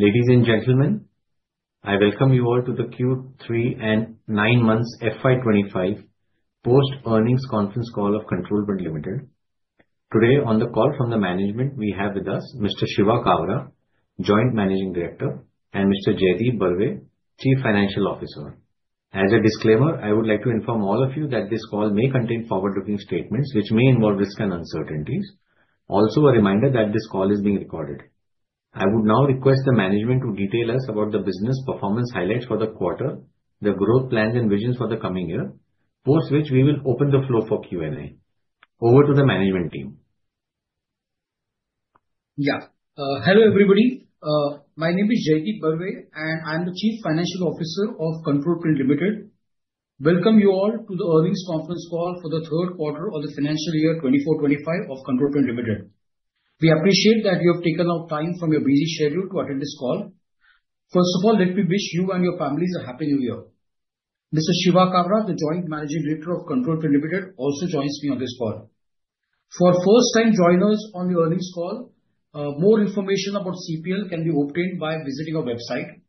Ladies and gentlemen, I welcome you all to the Q3 and 9 months FY25 Post-Earnings Conference call of Control Print Limited. Today, on the call from the management, we have with us Mr. Shiva Kabra, Joint Managing Director, and Mr. Jaideep Barve, Chief Financial Officer. As a disclaimer, I would like to inform all of you that this call may contain forward-looking statements which may involve risk and uncertainties. Also, a reminder that this call is being recorded. I would now request the management to detail us about the business performance highlights for the quarter, the growth plans, and visions for the coming year, post which we will open the floor for Q&A. Over to the management team. Yeah. Hello everybody. My name is Jaideep Barve, and I'm the Chief Financial Officer of Control Print Limited. Welcome you all to the earnings conference call for the third quarter of the financial year 24-25 of Control Print Limited. We appreciate that you have taken out time from your busy schedule to attend this call. First of all, let me wish you and your families a Happy New Year. Mr. Shiva Kabra, the Joint Managing Director of Control Print Limited, also joins me on this call. For first-time joiners on the earnings call, more information about CPL can be obtained by visiting our website.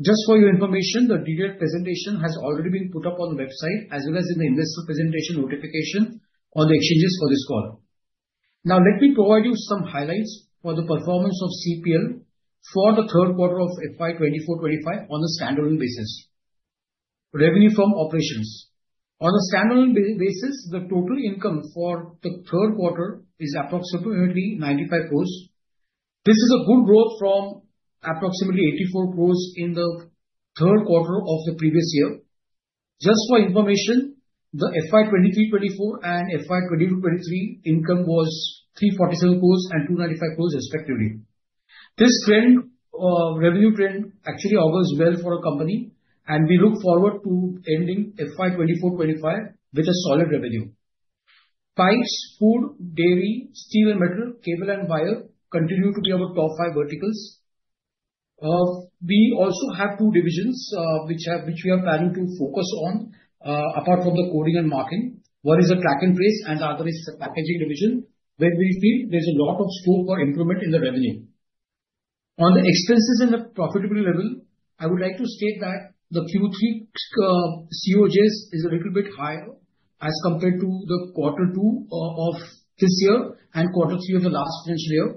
Just for your information, the detailed presentation has already been put up on the website, as well as in the investor presentation notification on the exchanges for this call. Now, let me provide you some highlights for the performance of CPL for the third quarter of FY24-25 on a standalone basis. Revenue from operations on a standalone basis, the total income for the third quarter is approximately 95 crores. This is a good growth from approximately 84 crores in the third quarter of the previous year. Just for information, the FY23-FY24 and FY22-FY23 income was 347 crores and 295 crores, respectively. This revenue trend actually augurs well for our company, and we look forward to ending FY24-FY25 with a solid revenue. Pipes, food, dairy, steel and metal, cable and wire continue to be our top five verticals. We also have two divisions which we are planning to focus on, apart from the coding and marking, one is a track and trace, and the other is the packaging division, where we feel there's a lot of scope for improvement in the revenue. On the expenses and the profitability level, I would like to state that the Q3 COGS is a little bit higher as compared to the quarter two of this year and quarter three of the last financial year.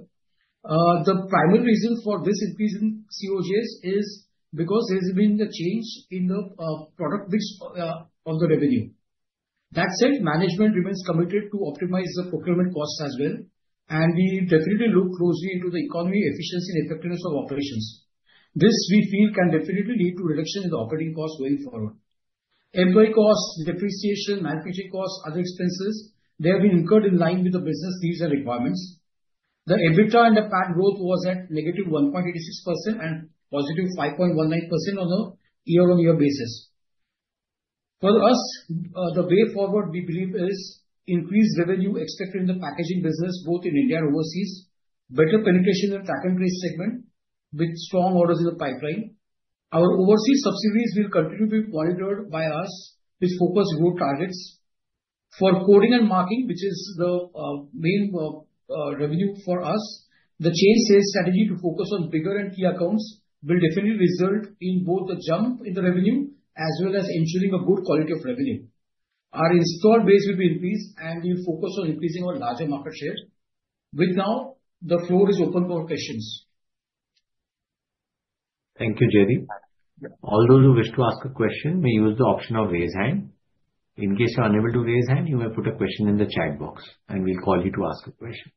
The primary reason for this increase in COGS is because there's been a change in the product mix of the revenue. That said, management remains committed to optimize the procurement costs as well, and we definitely look closely into the economy, efficiency, and effectiveness of operations. This, we feel, can definitely lead to a reduction in the operating costs going forward. Employee costs, depreciation, manufacturing costs, and other expenses, they have been incurred in line with the business needs and requirements. The EBITDA and the PAT growth was at negative 1.86% and positive 5.19% on a year-on-year basis. For us, the way forward we believe is increased revenue expected in the packaging business, both in India and overseas, better penetration in the track and trace segment with strong orders in the pipeline. Our overseas subsidiaries will continue to be monitored by us, which focus on growth targets. For coding and marking, which is the main revenue for us, the change in sales strategy to focus on bigger and key accounts will definitely result in both a jump in the revenue as well as ensuring a good quality of revenue. Our installed base will be increased, and we will focus on increasing our larger market share. With now, the floor is open for questions. Thank you, Jaideep. All those who wish to ask a question may use the option of raise hand. In case you're unable to raise hand, you may put a question in the chat box, and we'll call you to ask a question.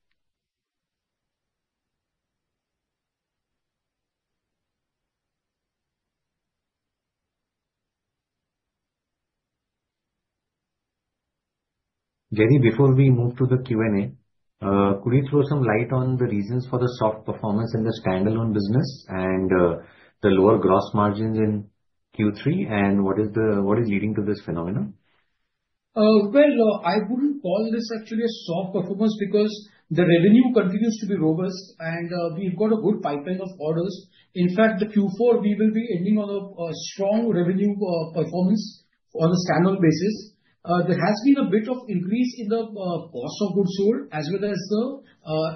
Jaideep, before we move to the Q&A, could you throw some light on the reasons for the soft performance in the standalone business and the lower gross margins in Q3, and what is leading to this phenomenon? I wouldn't call this actually a soft performance because the revenue continues to be robust, and we've got a good pipeline of orders. In fact, the Q4, we will be ending on a strong revenue performance on a standalone basis. There has been a bit of increase in the cost of goods sold as well as the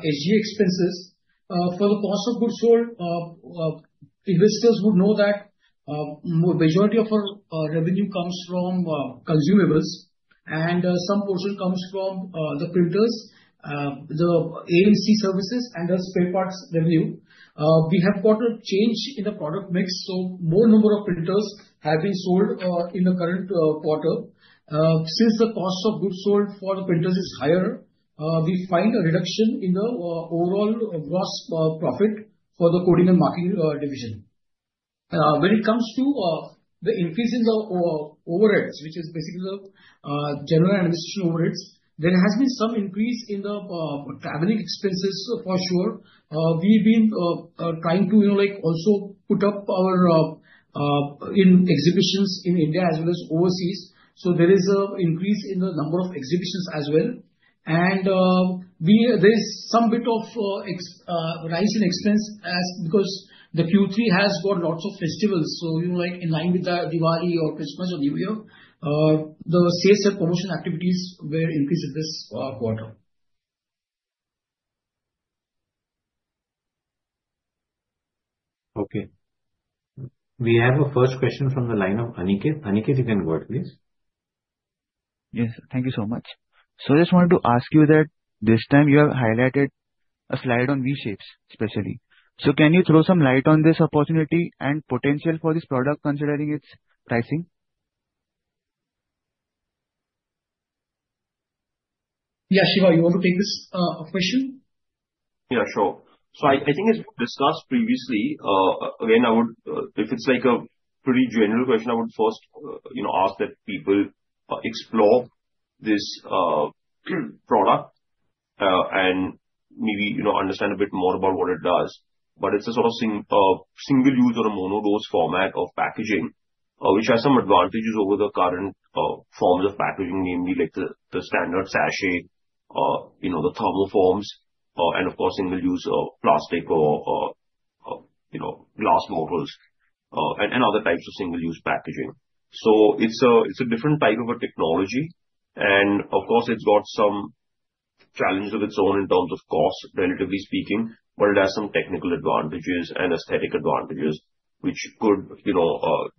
SG&A expenses. For the cost of goods sold, investors would know that the majority of our revenue comes from consumables, and some portion comes from the printers, the AMC services, and thus spare parts revenue. We have got a change in the product mix, so more number of printers have been sold in the current quarter. Since the cost of goods sold for the printers is higher, we find a reduction in the overall gross profit for the coding and marking division. When it comes to the increases of overheads, which is basically the general administration overheads, there has been some increase in the traveling expenses for sure. We've been trying to also put up our exhibitions in India as well as overseas. So there is an increase in the number of exhibitions as well. And there is some bit of rise in expense because the Q3 has got lots of festivals. So in line with Diwali or Christmas or New Year, the sales and promotion activities were increased this quarter. Okay. We have a first question from the line of Aniket. Aniket, you can go ahead, please. Yes, thank you so much. So I just wanted to ask you that this time you have highlighted a slide on V-Shapes, especially. So can you throw some light on this opportunity and potential for this product considering its pricing? Yeah, Shiva, you want to take this question? Yeah, sure. So I think as we discussed previously, again, if it's like a pretty general question, I would first ask that people explore this product and maybe understand a bit more about what it does. But it's a sort of single-use or a mono-dose format of packaging, which has some advantages over the current forms of packaging, namely the standard sachet, the thermoforms, and of course, single-use plastic or glass bottles and other types of single-use packaging. So it's a different type of a technology. And of course, it's got some challenges of its own in terms of cost, relatively speaking, but it has some technical advantages and aesthetic advantages, which could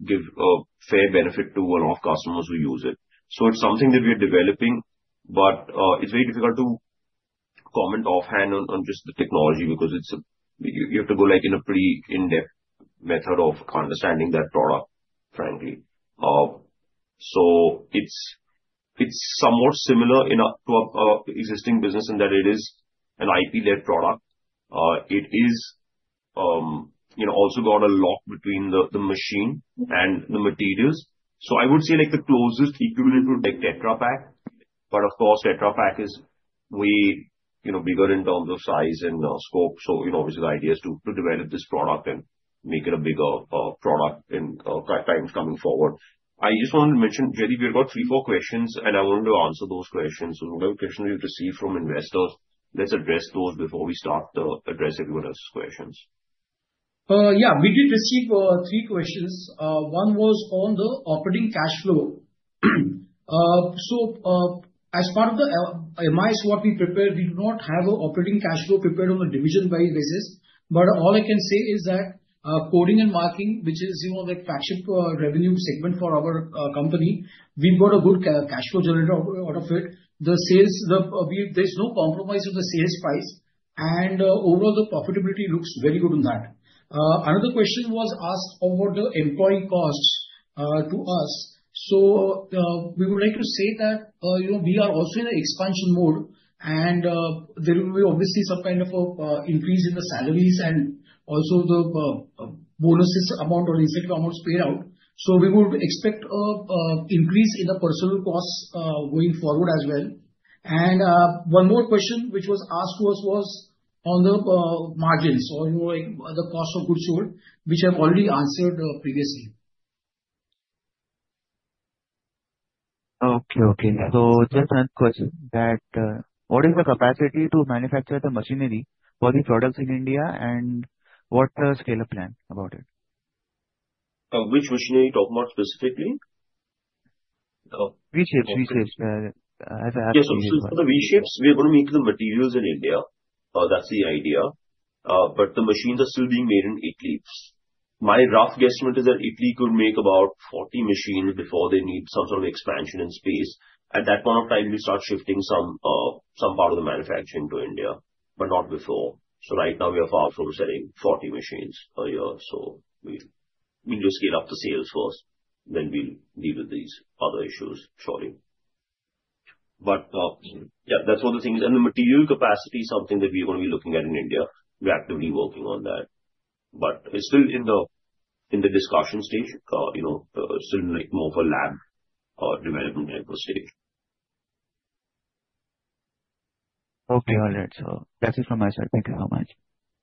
give a fair benefit to a lot of customers who use it. It's something that we are developing, but it's very difficult to comment offhand on just the technology because you have to go in a pretty in-depth method of understanding that product, frankly. It's somewhat similar to our existing business in that it is an IP-led product. It has also got a lock between the machine and the materials. I would say the closest equivalent would be Tetra Pak, but of course, Tetra Pak is way bigger in terms of size and scope. It's an idea to develop this product and make it a bigger product in times coming forward. I just wanted to mention, Jaideep, we've got three, four questions, and I wanted to answer those questions. Whatever questions you've received from investors, let's address those before we start to address everyone else's questions. Yeah, we did receive three questions. One was on the operating cash flow. So, as part of the MIS what we prepared, we do not have an operating cash flow prepared on a division-wide basis. But all I can say is that coding and marking, which is the flagship revenue segment for our company, we've got a good cash flow generator out of it. There's no compromise on the sales price, and overall, the profitability looks very good on that. Another question was asked about the employee costs to us. So we would like to say that we are also in an expansion mode, and there will be obviously some kind of an increase in the salaries and also the bonuses amount or incentive amounts paid out. So we would expect an increase in the personnel costs going forward as well. One more question which was asked to us was on the margins or the cost of goods sold, which I've already answered previously. Okay, okay. So just one question. What is the capacity to manufacture the machinery for the products in India, and what's the scale of plan about it? Which machinery you're talking about specifically? V-Shapes, V-Shapes. Yes, so for the V-Shapes, we're going to make the materials in India. That's the idea. But the machines are still being made in Italy. My rough guesstimate is that Italy could make about 40 machines before they need some sort of expansion in space. At that point of time, we'll start shifting some part of the manufacturing to India, but not before, so right now, we are far from selling 40 machines a year, so we need to scale up the sales first, then we'll deal with these other issues shortly, but yeah, that's one of the things, and the material capacity is something that we are going to be looking at in India. We're actively working on that, but it's still in the discussion stage. It's still more of a lab development type of stage. Okay, all right. So that's it from my side. Thank you so much.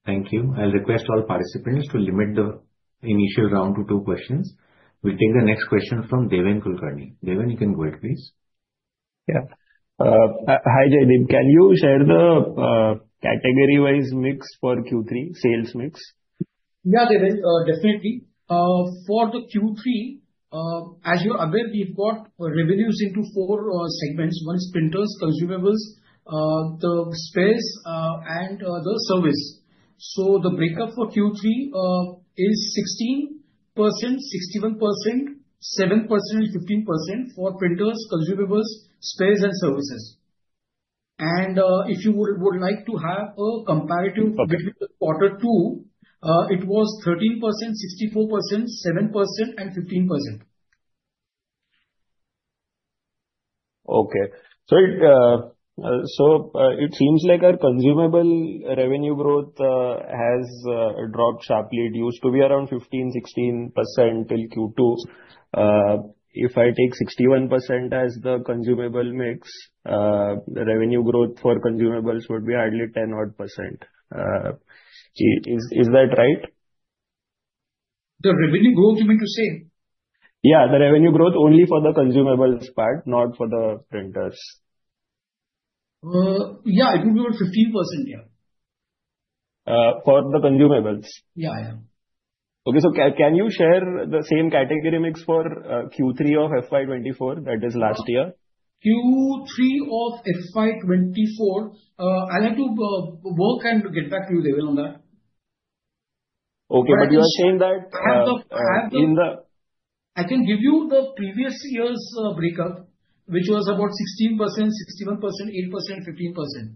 Thank you. I'll request all participants to limit the initial round to two questions. We'll take the next question from Deven Kulkarni. Deven, you can go ahead, please. Yeah. Hi, Jaideep. Can you share the category-wise mix for Q3, sales mix? Yeah, Deven, definitely. For the Q3, as you're aware, we've got revenues into four segments. One is printers, consumables, the spares, and the service. So the breakup for Q3 is 16%, 61%, 7%, and 15% for printers, consumables, spares, and services. And if you would like to have a comparative between the quarter two, it was 13%, 64%, 7%, and 15%. Okay. So it seems like our consumable revenue growth has dropped sharply. It used to be around 15%, 16% till Q2. If I take 61% as the consumable mix, the revenue growth for consumables would be hardly 10%. Is that right? The revenue growth, you mean to say? Yeah, the revenue growth only for the consumables part, not for the printers. Yeah, it would be about 15%, yeah. For the consumables? Yeah, yeah. Okay. So can you share the same category mix for Q3 of FY24, that is last year? Q3 of FY24, I'll have to work and get back to you, Deven, on that. Okay, but you are saying that in the, I can give you the previous year's breakup, which was about 16%, 61%, 8%, 15%.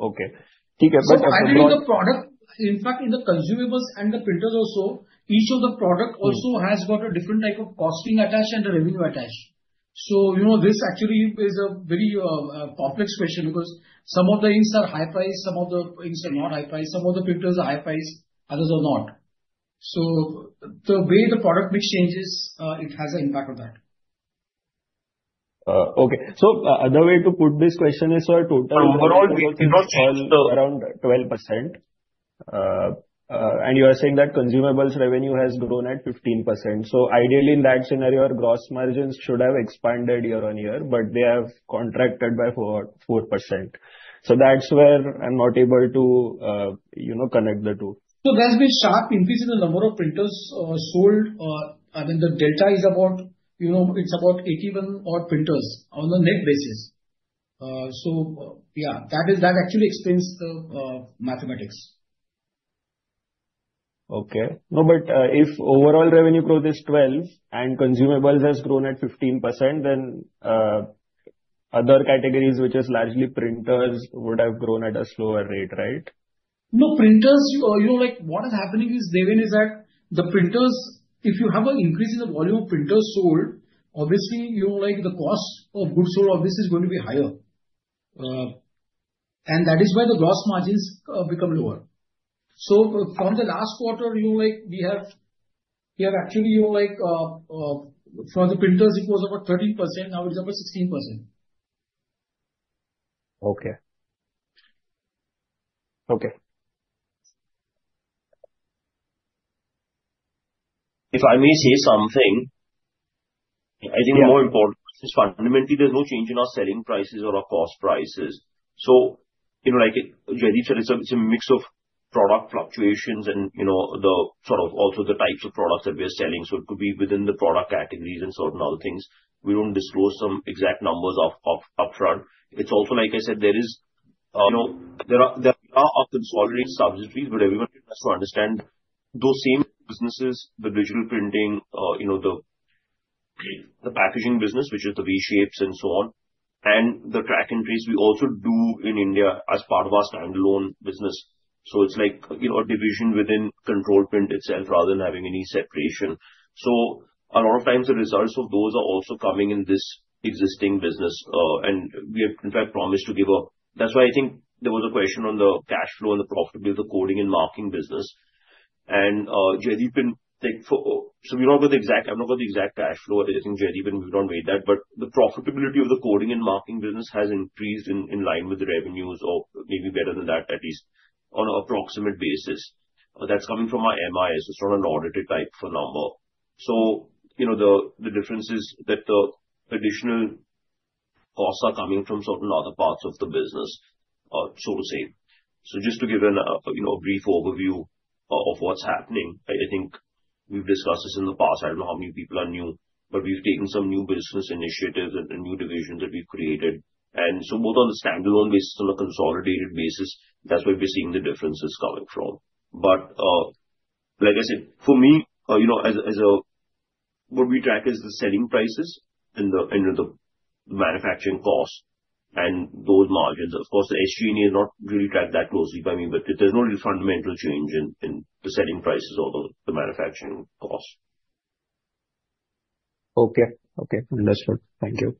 Okay. So actually, the product, in fact, in the consumables and the printers also, each of the products also has got a different type of costing attached and a revenue attached. So this actually is a very complex question because some of the inks are high priced, some of the inks are not high priced, some of the printers are high priced, others are not. So the way the product mix changes, it has an impact on that. Okay. So the way to put this question is so our total revenue is around 12%. And you are saying that consumables revenue has grown at 15%. So ideally, in that scenario, our gross margins should have expanded year on year, but they have contracted by 4%. So that's where I'm not able to connect the two. So there's been a sharp increase in the number of printers sold. I mean, the delta is about 81 odd printers on a net basis. So yeah, that actually explains the mathematics. Okay. No, but if overall revenue growth is 12% and consumables have grown at 15%, then other categories, which are largely printers, would have grown at a slower rate, right? No, printers. What is happening is, Deven, that the printers, if you have an increase in the volume of printers sold, obviously the cost of goods sold is going to be higher. And that is why the gross margins become lower. So from the last quarter, we have actually for the printers, it was about 13%. Now it's about 16%. Okay. Okay. If I may say something, I think more important is fundamentally, there's no change in our selling prices or our cost prices. So it's a mix of product fluctuations and the sort of also the types of products that we are selling. So it could be within the product categories and certain other things. We don't disclose some exact numbers upfront. It's also, like I said, there are consolidating subsidiaries, but everyone has to understand those same businesses, the digital printing, the packaging business, which is the V-Shapes and so on, and the track and trace we also do in India as part of our standalone business. So it's like a division within Control Print itself rather than having any separation. So a lot of times, the results of those are also coming in this existing business. And we have, in fact, promised to give a— That's why I think there was a question on the cash flow and the profitability of the coding and marking business. And Jaideep, so we're not going to exact cash flow. I think Jaideep and I made that. But the profitability of the coding and marking business has increased in line with the revenues or maybe better than that, at least on an approximate basis. That's coming from our MIS. It's not an audited type of number. So the difference is that the additional costs are coming from certain other parts of the business, so to say. So just to give a brief overview of what's happening, I think we've discussed this in the past. I don't know how many people are new, but we've taken some new business initiatives and new divisions that we've created. And so both on the standalone basis and a consolidated basis, that's where we're seeing the differences coming from. But like I said, for me, what we track is the selling prices and the manufacturing cost and those margins. Of course, the SG&A is not really tracked that closely by me, but there's no real fundamental change in the selling prices or the manufacturing cost. Okay. Okay. Understood. Thank you.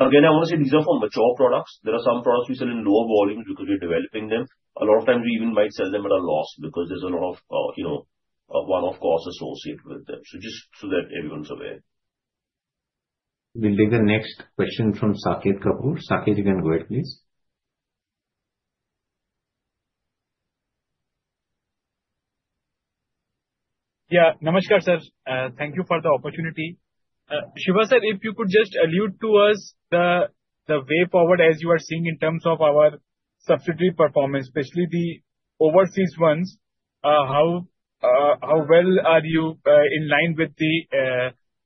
Again, I want to say these are for mature products. There are some products we sell in lower volumes because we're developing them. A lot of times, we even might sell them at a loss because there's a lot of one-off costs associated with them. So just so that everyone's aware. We'll take the next question from Saket Kapoor. Saket, you can go ahead, please. Yeah. Namaskar, sir. Thank you for the opportunity. Shiva sir, if you could just allude to us the way forward as you are seeing in terms of our subsidiary performance, especially the overseas ones, how well are you in line with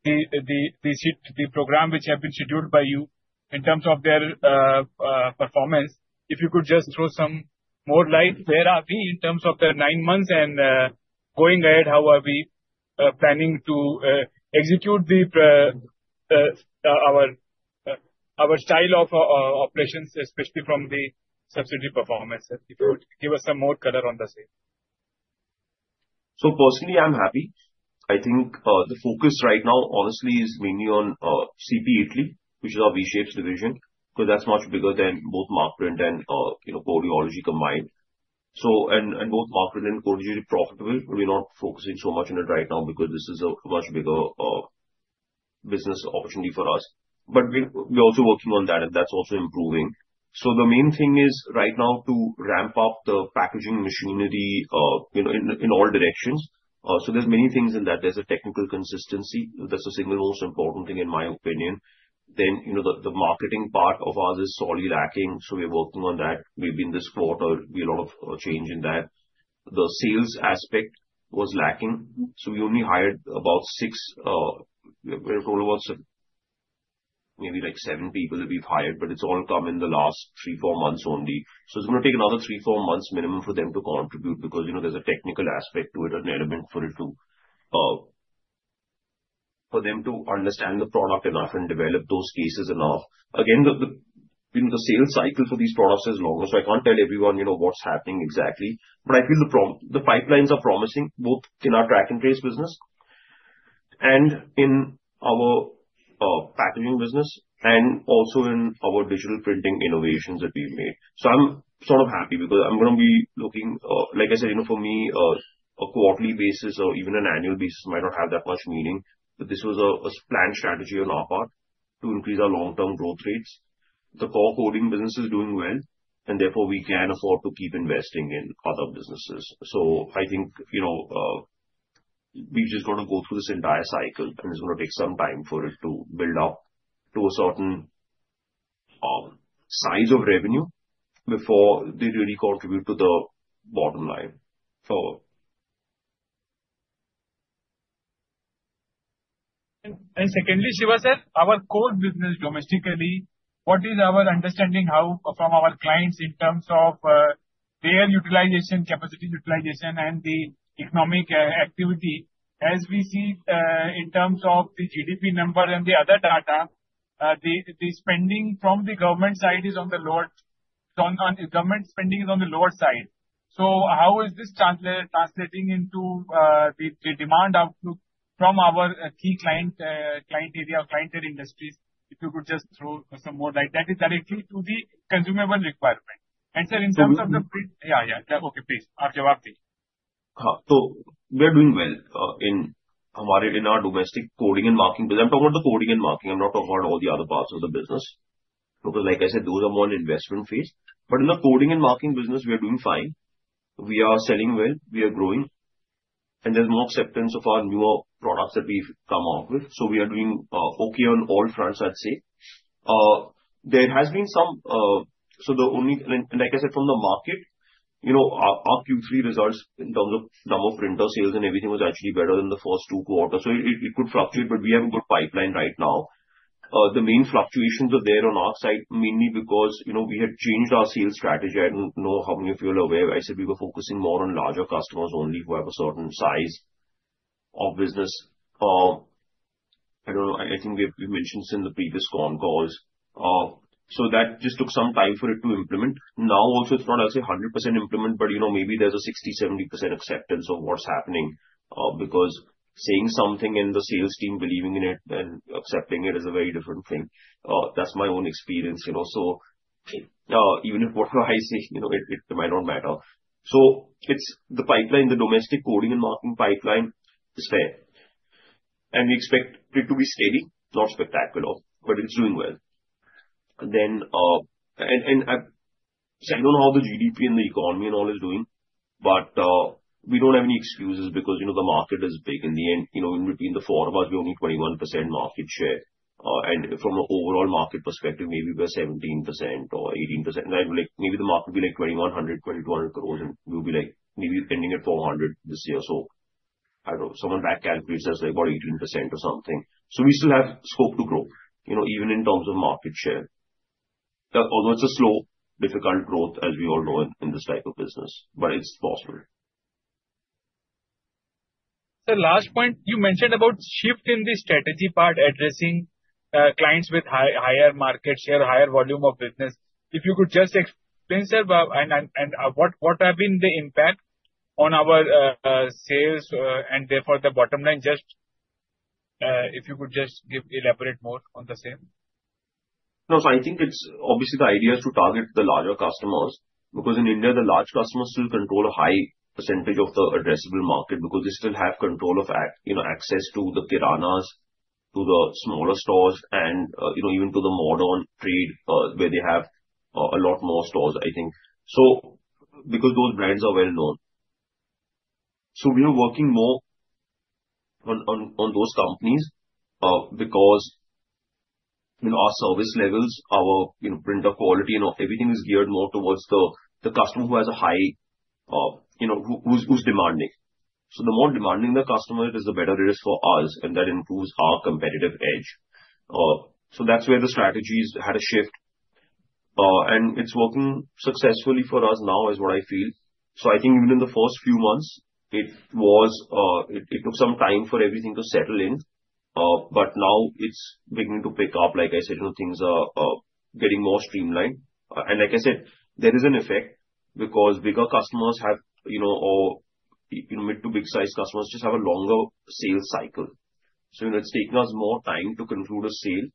the program which has been scheduled by you in terms of their performance? If you could just throw some more light, where are we in terms of the nine months? And going ahead, how are we planning to execute our style of operations, especially from the subsidiary performance? If you could give us some more color on the same? So personally, I'm happy. I think the focus right now, honestly, is mainly on CP Italy, which is our V-Shapes division, because that's much bigger than both Markprint and Codeology combined. And both Markprint and Codeology are profitable, but we're not focusing so much on it right now because this is a much bigger business opportunity for us. But we're also working on that, and that's also improving. So the main thing is right now to ramp up the packaging machinery in all directions. So there's many things in that. There's a technical consistency. That's the single most important thing, in my opinion. Then the marketing part of ours is sorely lacking. So we're working on that. Maybe in this quarter, there'll be a lot of change in that. The sales aspect was lacking. So we only hired about six. We're talking about maybe seven people that we've hired, but it's all come in the last three, four months only. So it's going to take another three, four months minimum for them to contribute because there's a technical aspect to it, an element for it to, for them to understand the product enough and develop those cases enough. Again, the sales cycle for these products is longer. So I can't tell everyone what's happening exactly. But I feel the pipelines are promising both in our track and trace business and in our packaging business and also in our digital printing innovations that we've made. So I'm sort of happy because I'm going to be looking, like I said, for me, a quarterly basis or even an annual basis might not have that much meaning. But this was a planned strategy on our part to increase our long-term growth rates. The core coding business is doing well, and therefore, we can afford to keep investing in other businesses. So I think we've just got to go through this entire cycle, and it's going to take some time for it to build up to a certain size of revenue before they really contribute to the bottom line. And secondly, Shiva sir, our core business domestically, what is our understanding from our clients in terms of their utilization capacity, utilization, and the economic activity? As we see in terms of the GDP number and the other data, the spending from the government side is on the lower side. So how is this translating into the demand outlook from our key client area or clientele industries? If you could just throw some more light, that is directly to the consumable requirement. And sir, in terms of the—yeah, yeah. Okay, please. So we are doing well in our domestic coding and marking business. I'm talking about the coding and marking. I'm not talking about all the other parts of the business. Because like I said, those are more in the investment phase. But in the coding and marking business, we are doing fine. We are selling well. We are growing. And there's more acceptance of our newer products that we've come out with. So we are doing okay on all fronts, I'd say. There has been some... So the only... And like I said, from the market, our Q3 results in terms of number of printer sales and everything was actually better than the first two quarters. So it could fluctuate, but we have a good pipeline right now. The main fluctuations are there on our side, mainly because we had changed our sales strategy. I don't know how many of you are aware. I said we were focusing more on larger customers only who have a certain size of business. I don't know. I think we mentioned this in the previous con calls. So that just took some time for it to implement. Now also, it's not, I'll say, 100% implement, but maybe there's a 60%, 70% acceptance of what's happening. Because saying something and the sales team believing in it and accepting it is a very different thing. That's my own experience. So even if whatever I say, it might not matter. So the pipeline, the domestic coding and marking pipeline is fair, and we expect it to be steady, not spectacular, but it's doing well. I don't know how the GDP and the economy and all is doing, but we don't have any excuses because the market is big in the end. In between the four of us, we only have 21% market share. And from an overall market perspective, maybe we're 17%-18%. And maybe the market will be like 2,100-2,200 crores, and we'll be like maybe ending at 400 this year or so. I don't know. Someone back calculates us about 18% or something. So we still have scope to grow, even in terms of market share. Although it's a slow, difficult growth, as we all know, in this type of business, but it's possible. Sir, last point, you mentioned about shift in the strategy part, addressing clients with higher market share, higher volume of business. If you could just explain, sir, and what have been the impact on our sales and therefore the bottom line, just if you could just give elaborate more on the same? No, so I think it's obviously the idea is to target the larger customers because in India, the large customers still control a high percentage of the addressable market because they still have control of access to the kiranas, to the smaller stores, and even to the modern trade where they have a lot more stores, I think, because those brands are well known. So we are working more on those companies because our service levels, our printer quality, and everything is geared more towards the customer who has a high who's demanding. So the more demanding the customer is, the better it is for us, and that improves our competitive edge. So that's where the strategies had a shift. And it's working successfully for us now is what I feel. So I think even in the first few months, it took some time for everything to settle in. But now it's beginning to pick up. Like I said, things are getting more streamlined. And like I said, there is an effect because bigger customers have or mid to big-sized customers just have a longer sales cycle. So it's taking us more time to conclude a sale.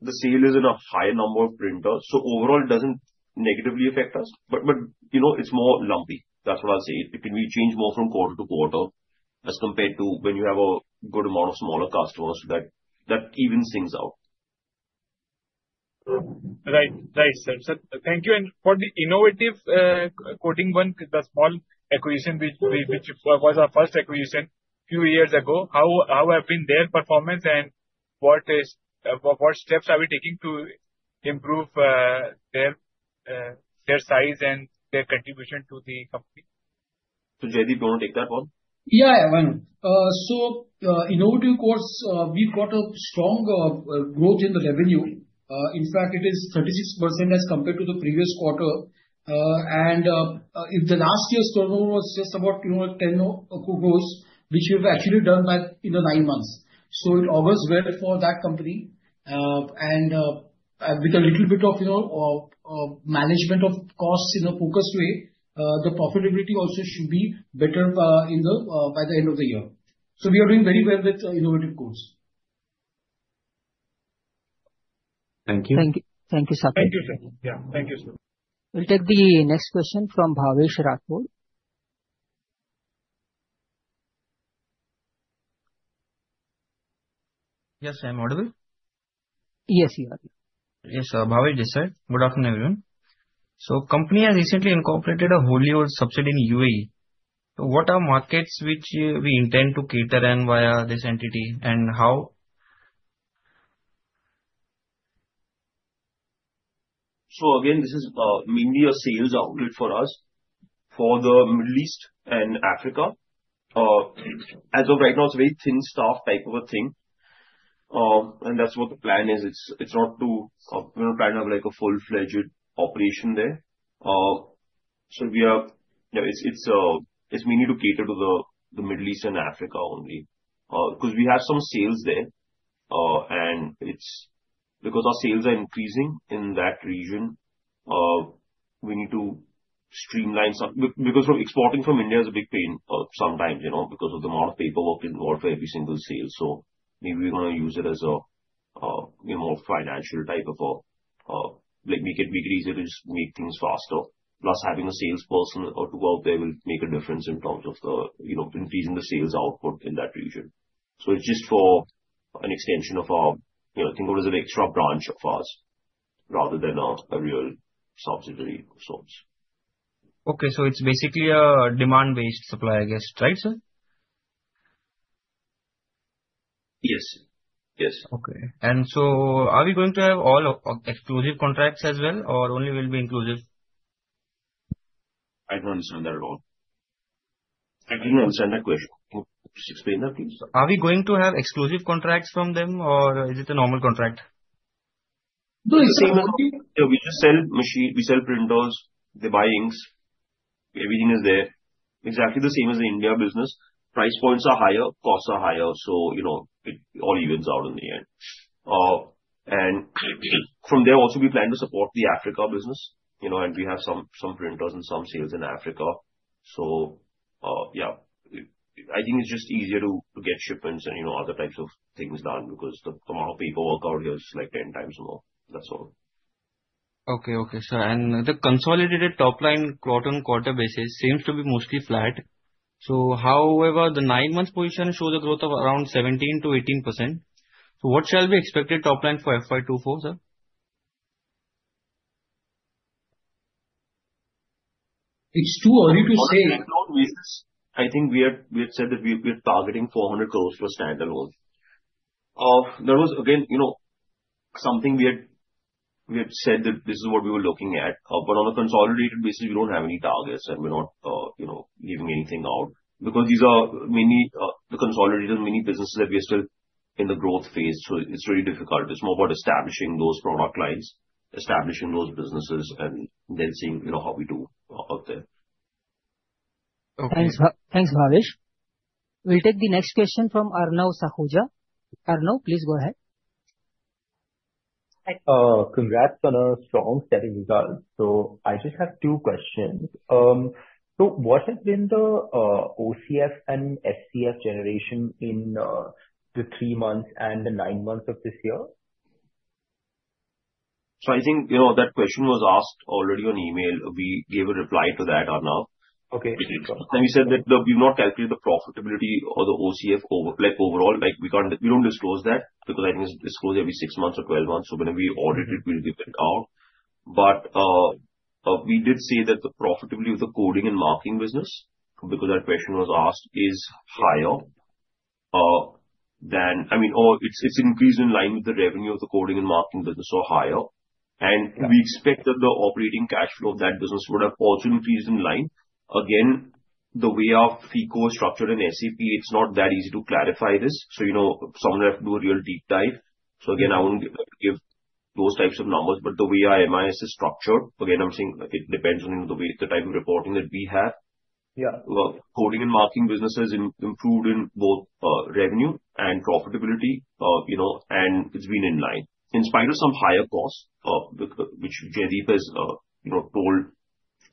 The sale is in a higher number of printers. So overall, it doesn't negatively affect us, but it's more lumpy. That's what I'll say. It can be changed more from quarter to quarter as compared to when you have a good amount of smaller customers that even evens out. Right. Right, sir. So thank you. And for the innovative coding one, the small acquisition, which was our first acquisition a few years ago, how have been their performance and what steps are we taking to improve their size and their contribution to the company? So Jaideep, do you want to take that one? Yeah, I want to. So Innovative Codes, we've got a strong growth in the revenue. In fact, it is 36% as compared to the previous quarter. And if the last year's turnover was just about 10 crores, which we've actually done in the nine months. So it augurs well for that company. And with a little bit of management of costs in a focused way, the profitability also should be better by the end of the year. So we are doing very well with Innovative Codes. Thank you. Thank you, Saket. Thank you, sir. Yeah, thank you, sir. We'll take the next question from Bhavesh Rathod. Yes, I'm audible? Yes, you are. Yes, Bhavesh this side. Good afternoon, everyone. So the company has recently incorporated a wholly-owned subsidiary in U.A.E. So what are markets which we intend to cater to via this entity and how? So again, this is mainly a sales outlet for us for the Middle East and Africa. As of right now, it's a very thin-staff type of a thing. And that's what the plan is. It's not. We're not planning to have a full-fledged operation there. So it's mainly to cater to the Middle East and Africa only because we have some sales there. And because our sales are increasing in that region, we need to streamline because exporting from India is a big pain sometimes because of the amount of paperwork involved for every single sale. So maybe we're going to use it as a more financial type of a make it easier to just make things faster. Plus, having a salesperson or two out there will make a difference in terms of increasing the sales output in that region. It's just an extension of our thing. Think of it as an extra branch of us rather than a real subsidiary of sorts. Okay. So it's basically a demand-based supply, I guess, right, sir? Yes. Yes. Okay. And so are we going to have all exclusive contracts as well, or only will be inclusive? I don't understand that at all. I didn't understand that question. Can you just explain that, please? Are we going to have exclusive contracts from them, or is it a normal contract? No, it's the same as we sell machines. We sell printers. They buy inks. Everything is there. Exactly the same as the India business. Price points are higher. Costs are higher. So it all evens out in the end. And from there, also, we plan to support the Africa business. And we have some printers and some sales in Africa. So yeah, I think it's just easier to get shipments and other types of things done because the amount of paperwork out here is like 10 times more. That's all. Okay. Okay, sir. And the consolidated top line quarter-on-quarter basis seems to be mostly flat. So however, the nine-month position shows a growth of around 17%-18%. So what shall be expected top line for FY24, sir? It's too early to say. On a standalone basis, I think we had said that we're targeting 400 crores for standalone. That was, again, something we had said that this is what we were looking at. But on a consolidated basis, we don't have any targets, and we're not giving anything out. Because these are mainly the consolidated, many businesses that we are still in the growth phase. So it's really difficult. It's more about establishing those product lines, establishing those businesses, and then seeing how we do out there. Thanks, Bhavesh. We'll take the next question from Arnav Sahuja. Arnav, please go ahead. Congrats on a strong selling result. So I just have two questions. So what has been the OCF and FCF generation in the three months and the nine months of this year? So I think that question was asked already on email. We gave a reply to that, Arnav. And we said that we've not calculated the profitability or the OCF overall. We don't disclose that because I think it's disclosed every six months or 12 months. So whenever we audit it, we'll give it out. But we did say that the profitability of the coding and marking business, because that question was asked, is higher than I mean, or it's increased in line with the revenue of the coding and marking business, so higher. And we expect that the operating cash flow of that business would have also increased in line. Again, the way our FICO is structured in SAP, it's not that easy to clarify this. So someone will have to do a real deep dive. So again, I won't give those types of numbers. But the way our MIS is structured, again, I'm saying it depends on the type of reporting that we have. Coding and marking business has improved in both revenue and profitability, and it's been in line. In spite of some higher costs, which Jaideep has told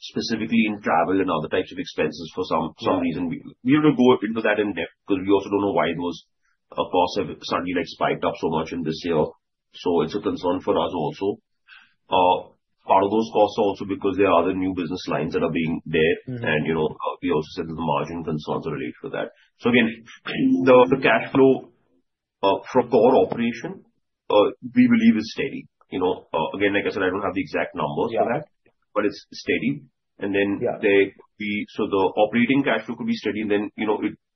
specifically in travel and other types of expenses for some reason, we have to go into that in depth because we also don't know why those costs have suddenly spiked up so much in this year. So it's a concern for us also. Part of those costs are also because there are other new business lines that are being there. And we also said that the margin concerns are related to that. So again, the cash flow for core operation, we believe, is steady. Again, like I said, I don't have the exact numbers for that, but it's steady. The operating cash flow could be steady.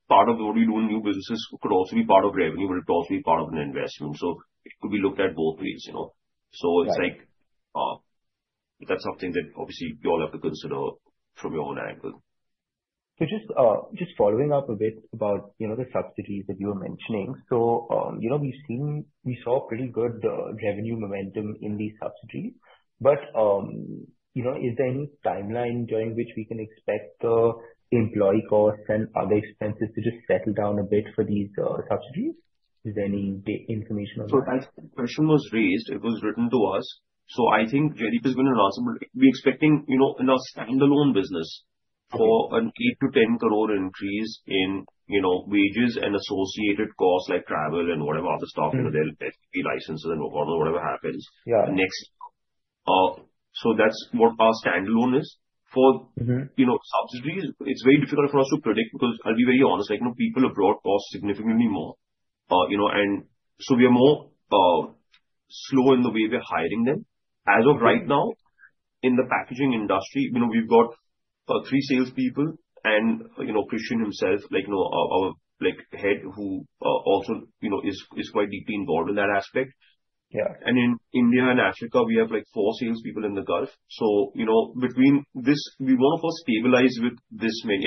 Part of what we do in new businesses could also be part of revenue, but it could also be part of an investment. It could be looked at both ways. It's like that's something that obviously you all have to consider from your own angle. So just following up a bit about the subsidiaries that you were mentioning. So we saw pretty good revenue momentum in these subsidiaries. But is there any timeline during which we can expect the employee costs and other expenses to just settle down a bit for these subsidiaries? Is there any information on that? That question was raised. It was written to us. I think Jaideep has been saying we're expecting in our standalone business an 8-10 crore increase in wages and associated costs like travel and whatever other stuff, the SAP licenses and whatever happens next. That's what our standalone is. For subsidiaries, it's very difficult for us to predict because I'll be very honest. People abroad cost significantly more. We are more slow in the way we're hiring them. As of right now, in the packaging industry, we've got three salespeople and Christian himself, our head, who also is quite deeply involved in that aspect. In India and Africa, we have four salespeople in the Gulf. Between this, we want to first stabilize with this many.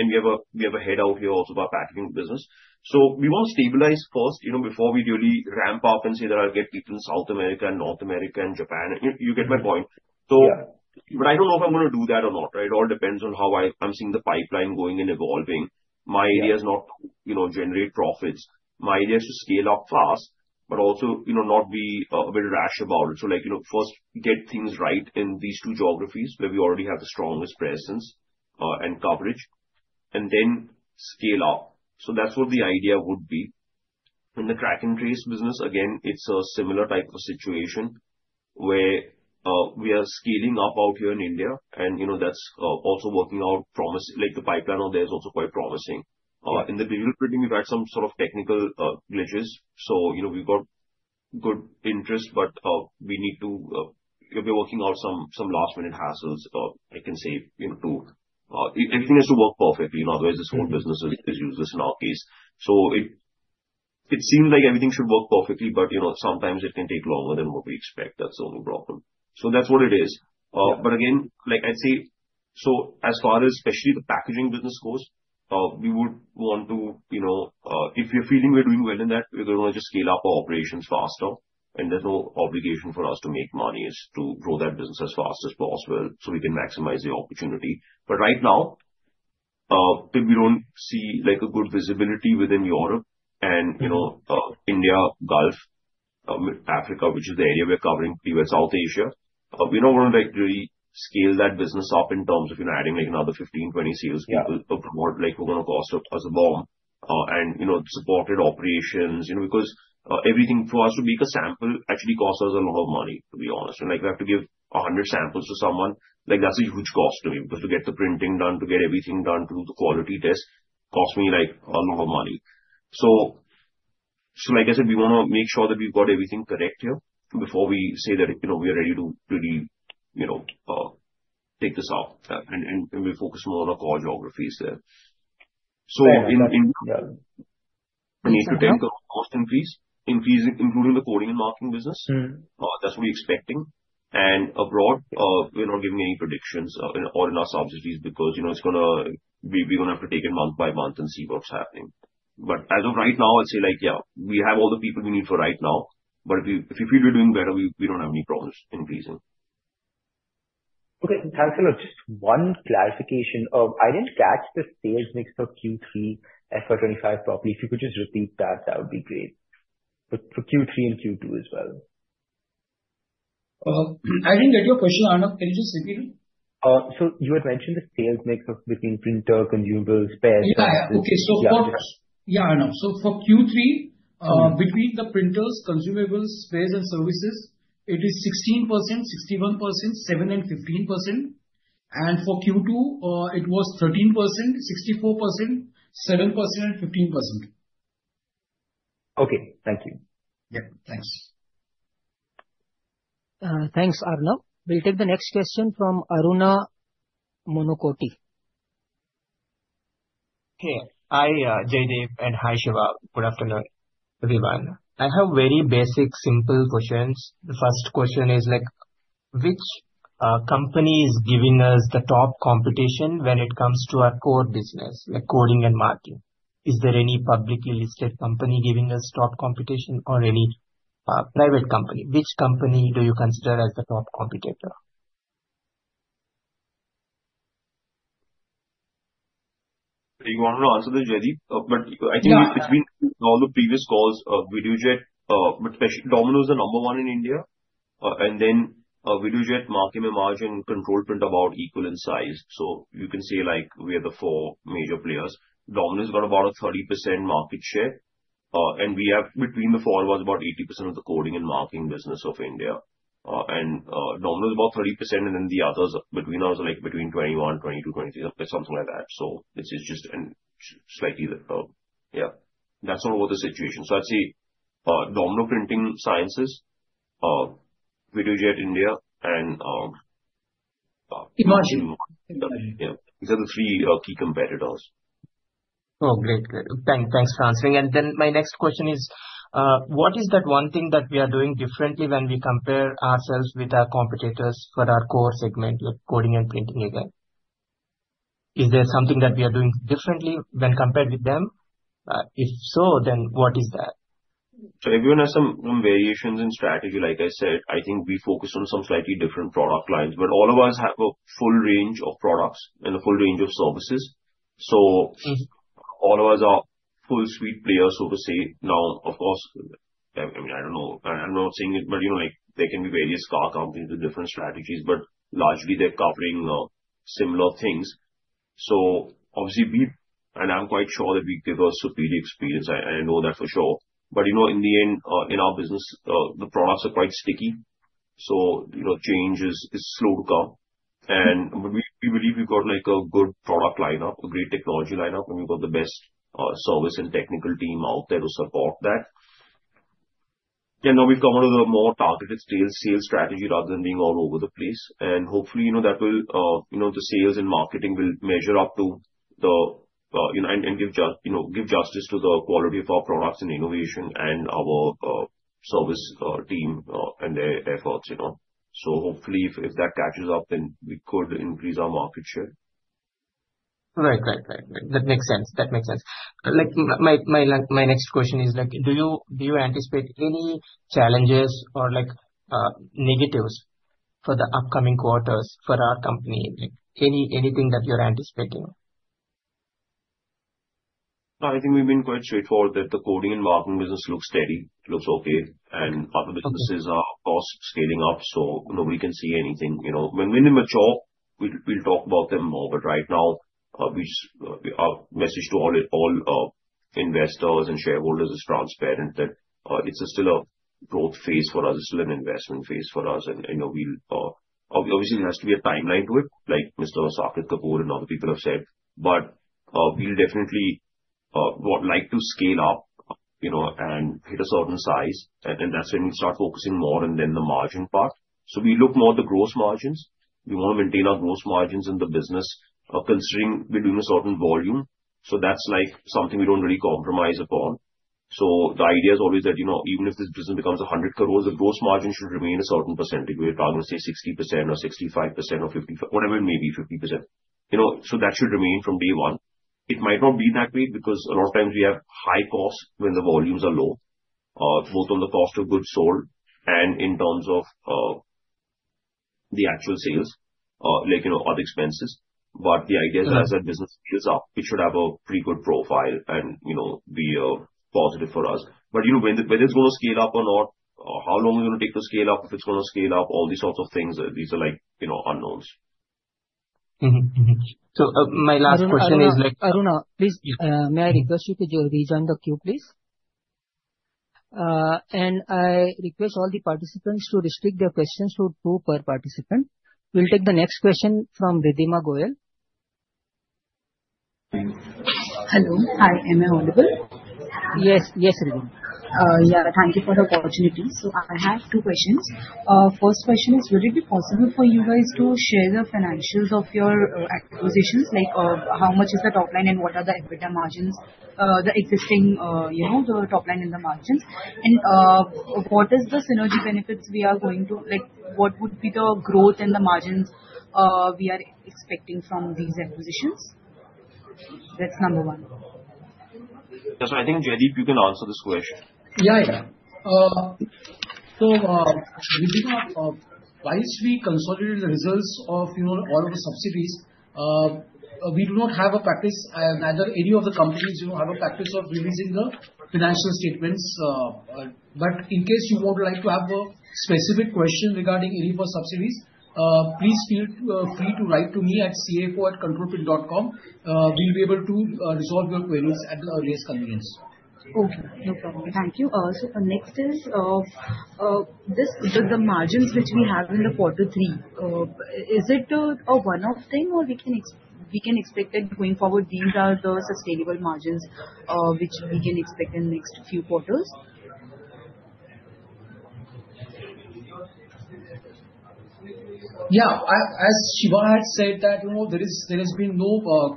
We have a head out here also of our packaging business. So we want to stabilize first before we really ramp up and say that I'll get people in South America and North America and Japan. You get my point. But I don't know if I'm going to do that or not, right? It all depends on how I'm seeing the pipeline going and evolving. My idea is not to generate profits. My idea is to scale up fast, but also not be a bit rash about it. So first, get things right in these two geographies where we already have the strongest presence and coverage, and then scale up. So that's what the idea would be. In the track and trace business, again, it's a similar type of situation where we are scaling up out here in India. And that's also working out. The pipeline out there is also quite promising. In the digital printing, we've had some sort of technical glitches. So we've got good interest, but we need to be working out some last-minute hassles, I can say, to everything has to work perfectly. Otherwise, this whole business is useless in our case. So it seems like everything should work perfectly, but sometimes it can take longer than what we expect. That's the only problem. So that's what it is. But again, I'd say so as far as especially the packaging business goes, we would want to if we're feeling we're doing well in that, we're going to just scale up our operations faster. And there's no obligation for us to make money is to grow that business as fast as possible so we can maximize the opportunity. But right now, we don't see a good visibility within Europe and India, Gulf, Africa, which is the area we're covering pretty well. South Asia, we don't want to really scale that business up in terms of adding another 15-20 salespeople abroad. We're going to cost us a bomb. And supported operations because everything for us to make a sample actually costs us a lot of money, to be honest. We have to give 100 samples to someone. That's a huge cost to me because to get the printing done, to get everything done, to do the quality test costs me a lot of money. So like I said, we want to make sure that we've got everything correct here before we say that we are ready to really take this out and we focus more on our core geographies there. So in India, an INR 8-10 crore cost increase, including the coding and marking business. That's what we're expecting. And abroad, we're not giving any predictions or in our subsidiaries because it's going to be, we're going to have to take it month by month and see what's happening. But as of right now, I'd say, yeah, we have all the people we need for right now. But if we feel we're doing better, we don't have any problems increasing. Okay. Thanks a lot. Just one clarification. I didn't catch the sales mix of Q3 FY25 properly. If you could just repeat that, that would be great. But for Q3 and Q2 as well. I didn't get your question, Arnav, can you just repeat it? So you had mentioned the sales mix between printer, consumables, spares, and services. Yeah. Okay. So for. Yeah, Arnav. So for Q3, between the printers, consumables, spares, and services, it is 16%, 61%, 7%, and 15%. And for Q2, it was 13%, 64%, 7%, and 15%. Okay. Thank you. Yeah. Thanks. Thanks, Arnav. We'll take the next question from Aruna Manikoti. Okay. Hi, Jaideep, and hi, Shiva. Good afternoon, everyone. I have very basic, simple questions. The first question is, which company is giving us the top competition when it comes to our core business, like coding and marking? Is there any publicly listed company giving us top competition or any private company? Which company do you consider as the top competitor? Do you want me to answer, Jaideep? But I think it's been in all the previous calls, Videojet, but especially Domino is the number one in India. And then Videojet, Markem-Imaje, and Control Print are about equal in size. So you can say we are the four major players. Domino has got about a 30% market share. And between the four of us, about 80% of the coding and marking business of India. And Domino is about 30%, and then the others between us are between 21%, 22%, 23%, something like that. So it's just slightly yeah. That's not what the situation is. So I'd say Domino Printing Sciences, Videojet India, and— Imaje. Markem. Yeah. These are the three key competitors. Oh, great. Thanks for answering, and then my next question is, what is that one thing that we are doing differently when we compare ourselves with our competitors for our core segment, like coding and printing again? Is there something that we are doing differently when compared with them? If so, then what is that? So if you want to have some variations in strategy, like I said, I think we focus on some slightly different product lines. But all of us have a full range of products and a full range of services. So all of us are full-suite players, so to say. Now, of course, I mean, I don't know. I'm not saying it, but there can be various car companies with different strategies, but largely, they're covering similar things. So obviously, and I'm quite sure that we give a superior experience. I know that for sure. But in the end, in our business, the products are quite sticky. So change is slow to come. But we believe we've got a good product lineup, a great technology lineup, and we've got the best service and technical team out there to support that. Now we've come out of the more targeted sales strategy rather than being all over the place. Hopefully, the sales and marketing will measure up to the quality of our products and innovation and our service team and their efforts. Hopefully, if that catches up, then we could increase our market share. Right, right, right, right. That makes sense. That makes sense. My next question is, do you anticipate any challenges or negatives for the upcoming quarters for our company? Anything that you're anticipating? No, I think we've been quite straightforward that the coding and marking business looks steady. It looks okay, and our businesses are cost scaling up, so nobody can see anything. When we mature, we'll talk about them more, but right now, our message to all investors and shareholders is transparent that it's still a growth phase for us. It's still an investment phase for us, and obviously, there has to be a timeline to it, like Mr. Saket Kapoor and other people have said, but we'll definitely like to scale up and hit a certain size, and that's when we'll start focusing more on then the margin part, so we look more at the gross margins. We want to maintain our gross margins in the business considering we're doing a certain volume, so that's something we don't really compromise upon. The idea is always that even if this business becomes 100 crores, the gross margin should remain a certain percentage. We're talking, say, 60% or 65% or 50%, whatever it may be, 50%. That should remain from day one. It might not be that way because a lot of times we have high costs when the volumes are low, both on the cost of goods sold and in terms of the actual sales, like other expenses. The idea is as that business scales up, it should have a pretty good profile and be positive for us. Whether it's going to scale up or not, how long it's going to take to scale up, if it's going to scale up, all these sorts of things, these are unknowns. My last question is— Aruna, please, may I request you to rejoin the queue, please? And I request all the participants to restrict their questions to two per participant. We'll take the next question from Ridhima Goyal. Hello. Hi, am I audible? Yes, yes, Ridhima. Yeah, thank you for the opportunity. So I have two questions. First question is, would it be possible for you guys to share the financials of your acquisitions? How much is the top line and what are the EBITDA margins, the existing top line and the margins? And what is the synergy benefits we are going to what would be the growth and the margins we are expecting from these acquisitions? That's number one. Yeah. So I think, Jaideep, you can answer this question. Yeah, yeah. So Ridhima, once we consolidate the results of all of the subsidiaries, we do not have a practice neither any of the companies have a practice of releasing the financial statements. But in case you would like to have a specific question regarding any of our subsidiaries, please feel free to write to me at cfo@controlprint.com, we'll be able to resolve your queries at the earliest convenience. Okay. No problem. Thank you. So next is the margins which we have in the quarter three. Is it a one-off thing, or we can expect that going forward? These are the sustainable margins which we can expect in the next few quarters? Yeah. As Shiva had said, there has been no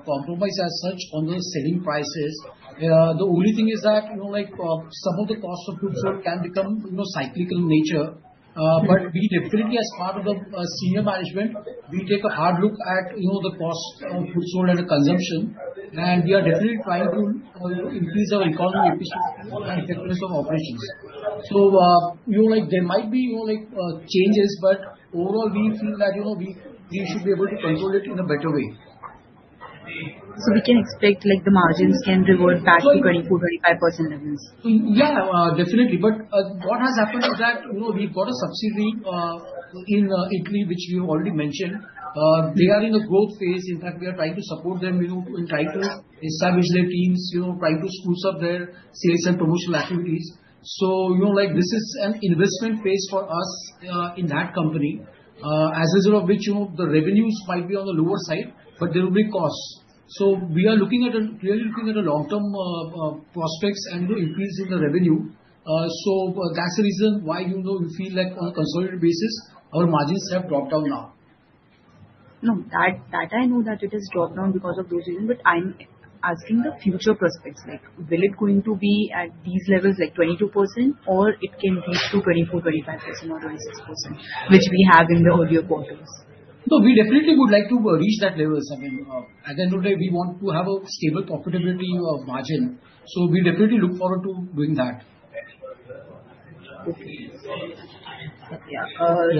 compromise as such on the selling prices. The only thing is that some of the cost of goods sold can become cyclical in nature, but we definitely, as part of the senior management, we take a hard look at the cost of goods sold and consumables, and we are definitely trying to increase our economic efficiency and effectiveness of operations, so there might be changes, but overall, we feel that we should be able to control it in a better way. So we can expect the margins can revert back to 24%-25% levels? Yeah, definitely. But what has happened is that we've got a subsidiary in Italy, which we have already mentioned. They are in the growth phase. In fact, we are trying to support them and trying to establish their teams, trying to spruce up their sales and promotional activities. So this is an investment phase for us in that company, as a result of which the revenues might be on the lower side, but there will be costs. So we are clearly looking at long-term prospects and increase in the revenue. So that's the reason why we feel like on a consolidated basis, our margins have dropped down now. No, that I know that it has dropped down because of those reasons. But I'm asking the future prospects. Will it going to be at these levels, like 22%, or it can reach to 24%, 25% or 26%, which we have in the earlier quarters? No, we definitely would like to reach that level again. As I noted, we want to have a stable profitability margin. So we definitely look forward to doing that. Okay. Yeah.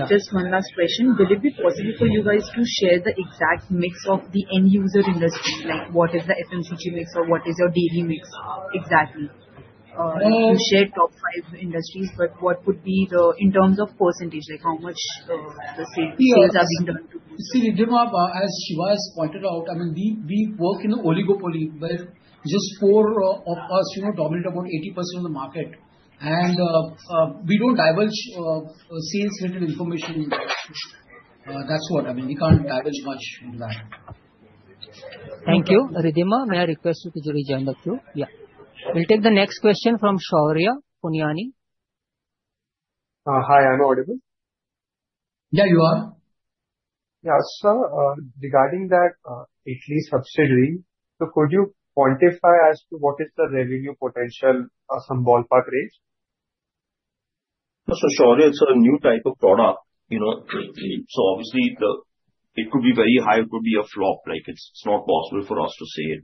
Just one last question. Will it be possible for you guys to share the exact mix of the end user industry? What is the FMCG mix or what is your daily mix exactly? You share top five industries, but what would be the, in terms of percentage, how much the sales are being done to? You see, Ridhima, as Shiva has pointed out, I mean, we work in the oligopoly, where just four of us dominate about 80% of the market, and we don't divulge sales-related information. That's what. I mean, we can't divulge much into that. Thank you. Ridhima, may I request you to rejoin the queue? Yeah. We'll take the next question from Shaurya Puniani. Hi, I'm audible. Yeah, you are. Yeah. So regarding that Italy subsidiary, so could you quantify as to what is the revenue potential, some ballpark range? So Shaurya, it's a new type of product. So obviously, it could be very high or it could be a flop. It's not possible for us to say it.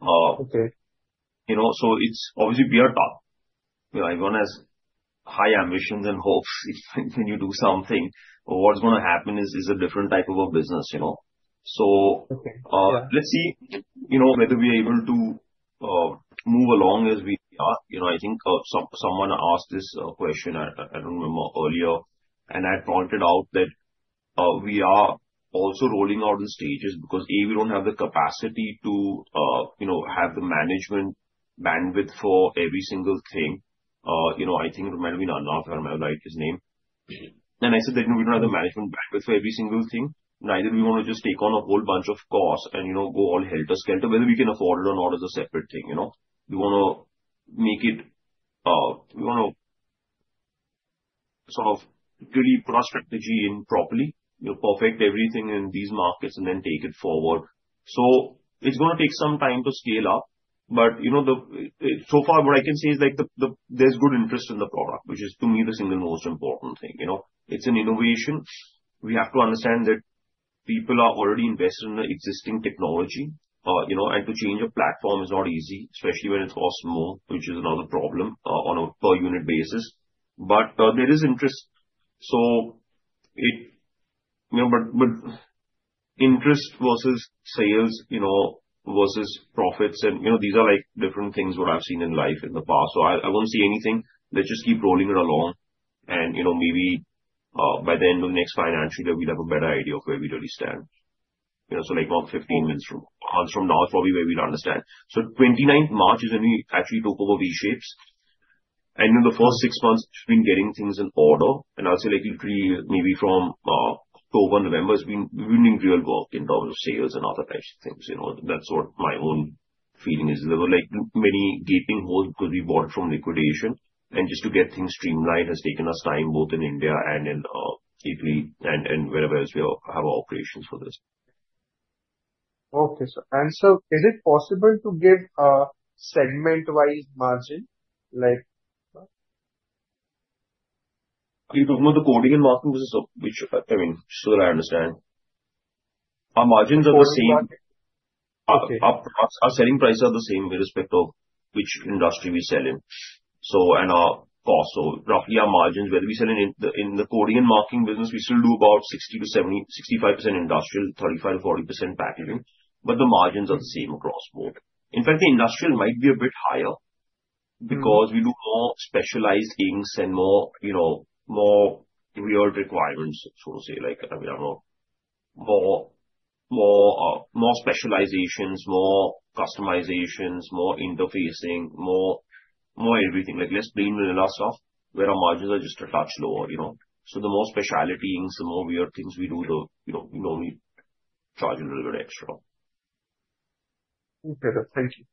So obviously, we are tough. Everyone has high ambitions and hopes. When you do something, what's going to happen is a different type of a business. So let's see whether we are able to move along as we are. I think someone asked this question. I don't remember earlier. And I pointed out that we are also rolling out in stages because, A, we don't have the capacity to have the management bandwidth for every single thing. I think it might have been Arnav. I might have his name right. I said that we don't have the management bandwidth for every single thing. Neither do we want to just take on a whole bunch of costs and go all helter-skelter whether we can afford it or not as a separate thing. We want to sort of really put our strategy in properly, perfect everything in these markets, and then take it forward. It's going to take some time to scale up. But so far, what I can say is there's good interest in the product, which is, to me, the single most important thing. It's an innovation. We have to understand that people are already invested in the existing technology. To change a platform is not easy, especially when it costs more, which is another problem on a per-unit basis. But there is interest. But interest versus sales versus profits, and these are different things what I've seen in life in the past. So I won't say anything. Let's just keep rolling it along. And maybe by the end of the next financial year, we'll have a better idea of where we really stand. So like 15 months from now is probably where we'll understand. So 29th March is when we actually took over V-Shapes. And in the first six months, we've been getting things in order. And I'll say literally maybe from October and November, we've been doing real work in terms of sales and other types of things. That's what my own feeling is. There were many gaping holes because we bought it from liquidation. And just to get things streamlined has taken us time both in India and in Italy and wherever else we have our operations for this. Okay sir. And sir, is it possible to give a segment-wise margin? You're talking about the Coding and Marking business, which, I mean, just so that I understand? Our margins are the same. Coding and marking. Our selling prices are the same with respect to which industry we sell in and our cost. So roughly, our margins, whether we sell in the Coding and Marking business, we still do about 60%-70%, 65% industrial, 35%-40% packaging. But the margins are the same across both. In fact, the industrial might be a bit higher because we do more specialized inks and more weird requirements, so to say, like more specializations, more customizations, more interfacing, more everything. Less plain vanilla stuff where our margins are just a touch lower. So the more specialty inks, the more weird things we do, we normally charge a little bit extra. Okay. Thank you.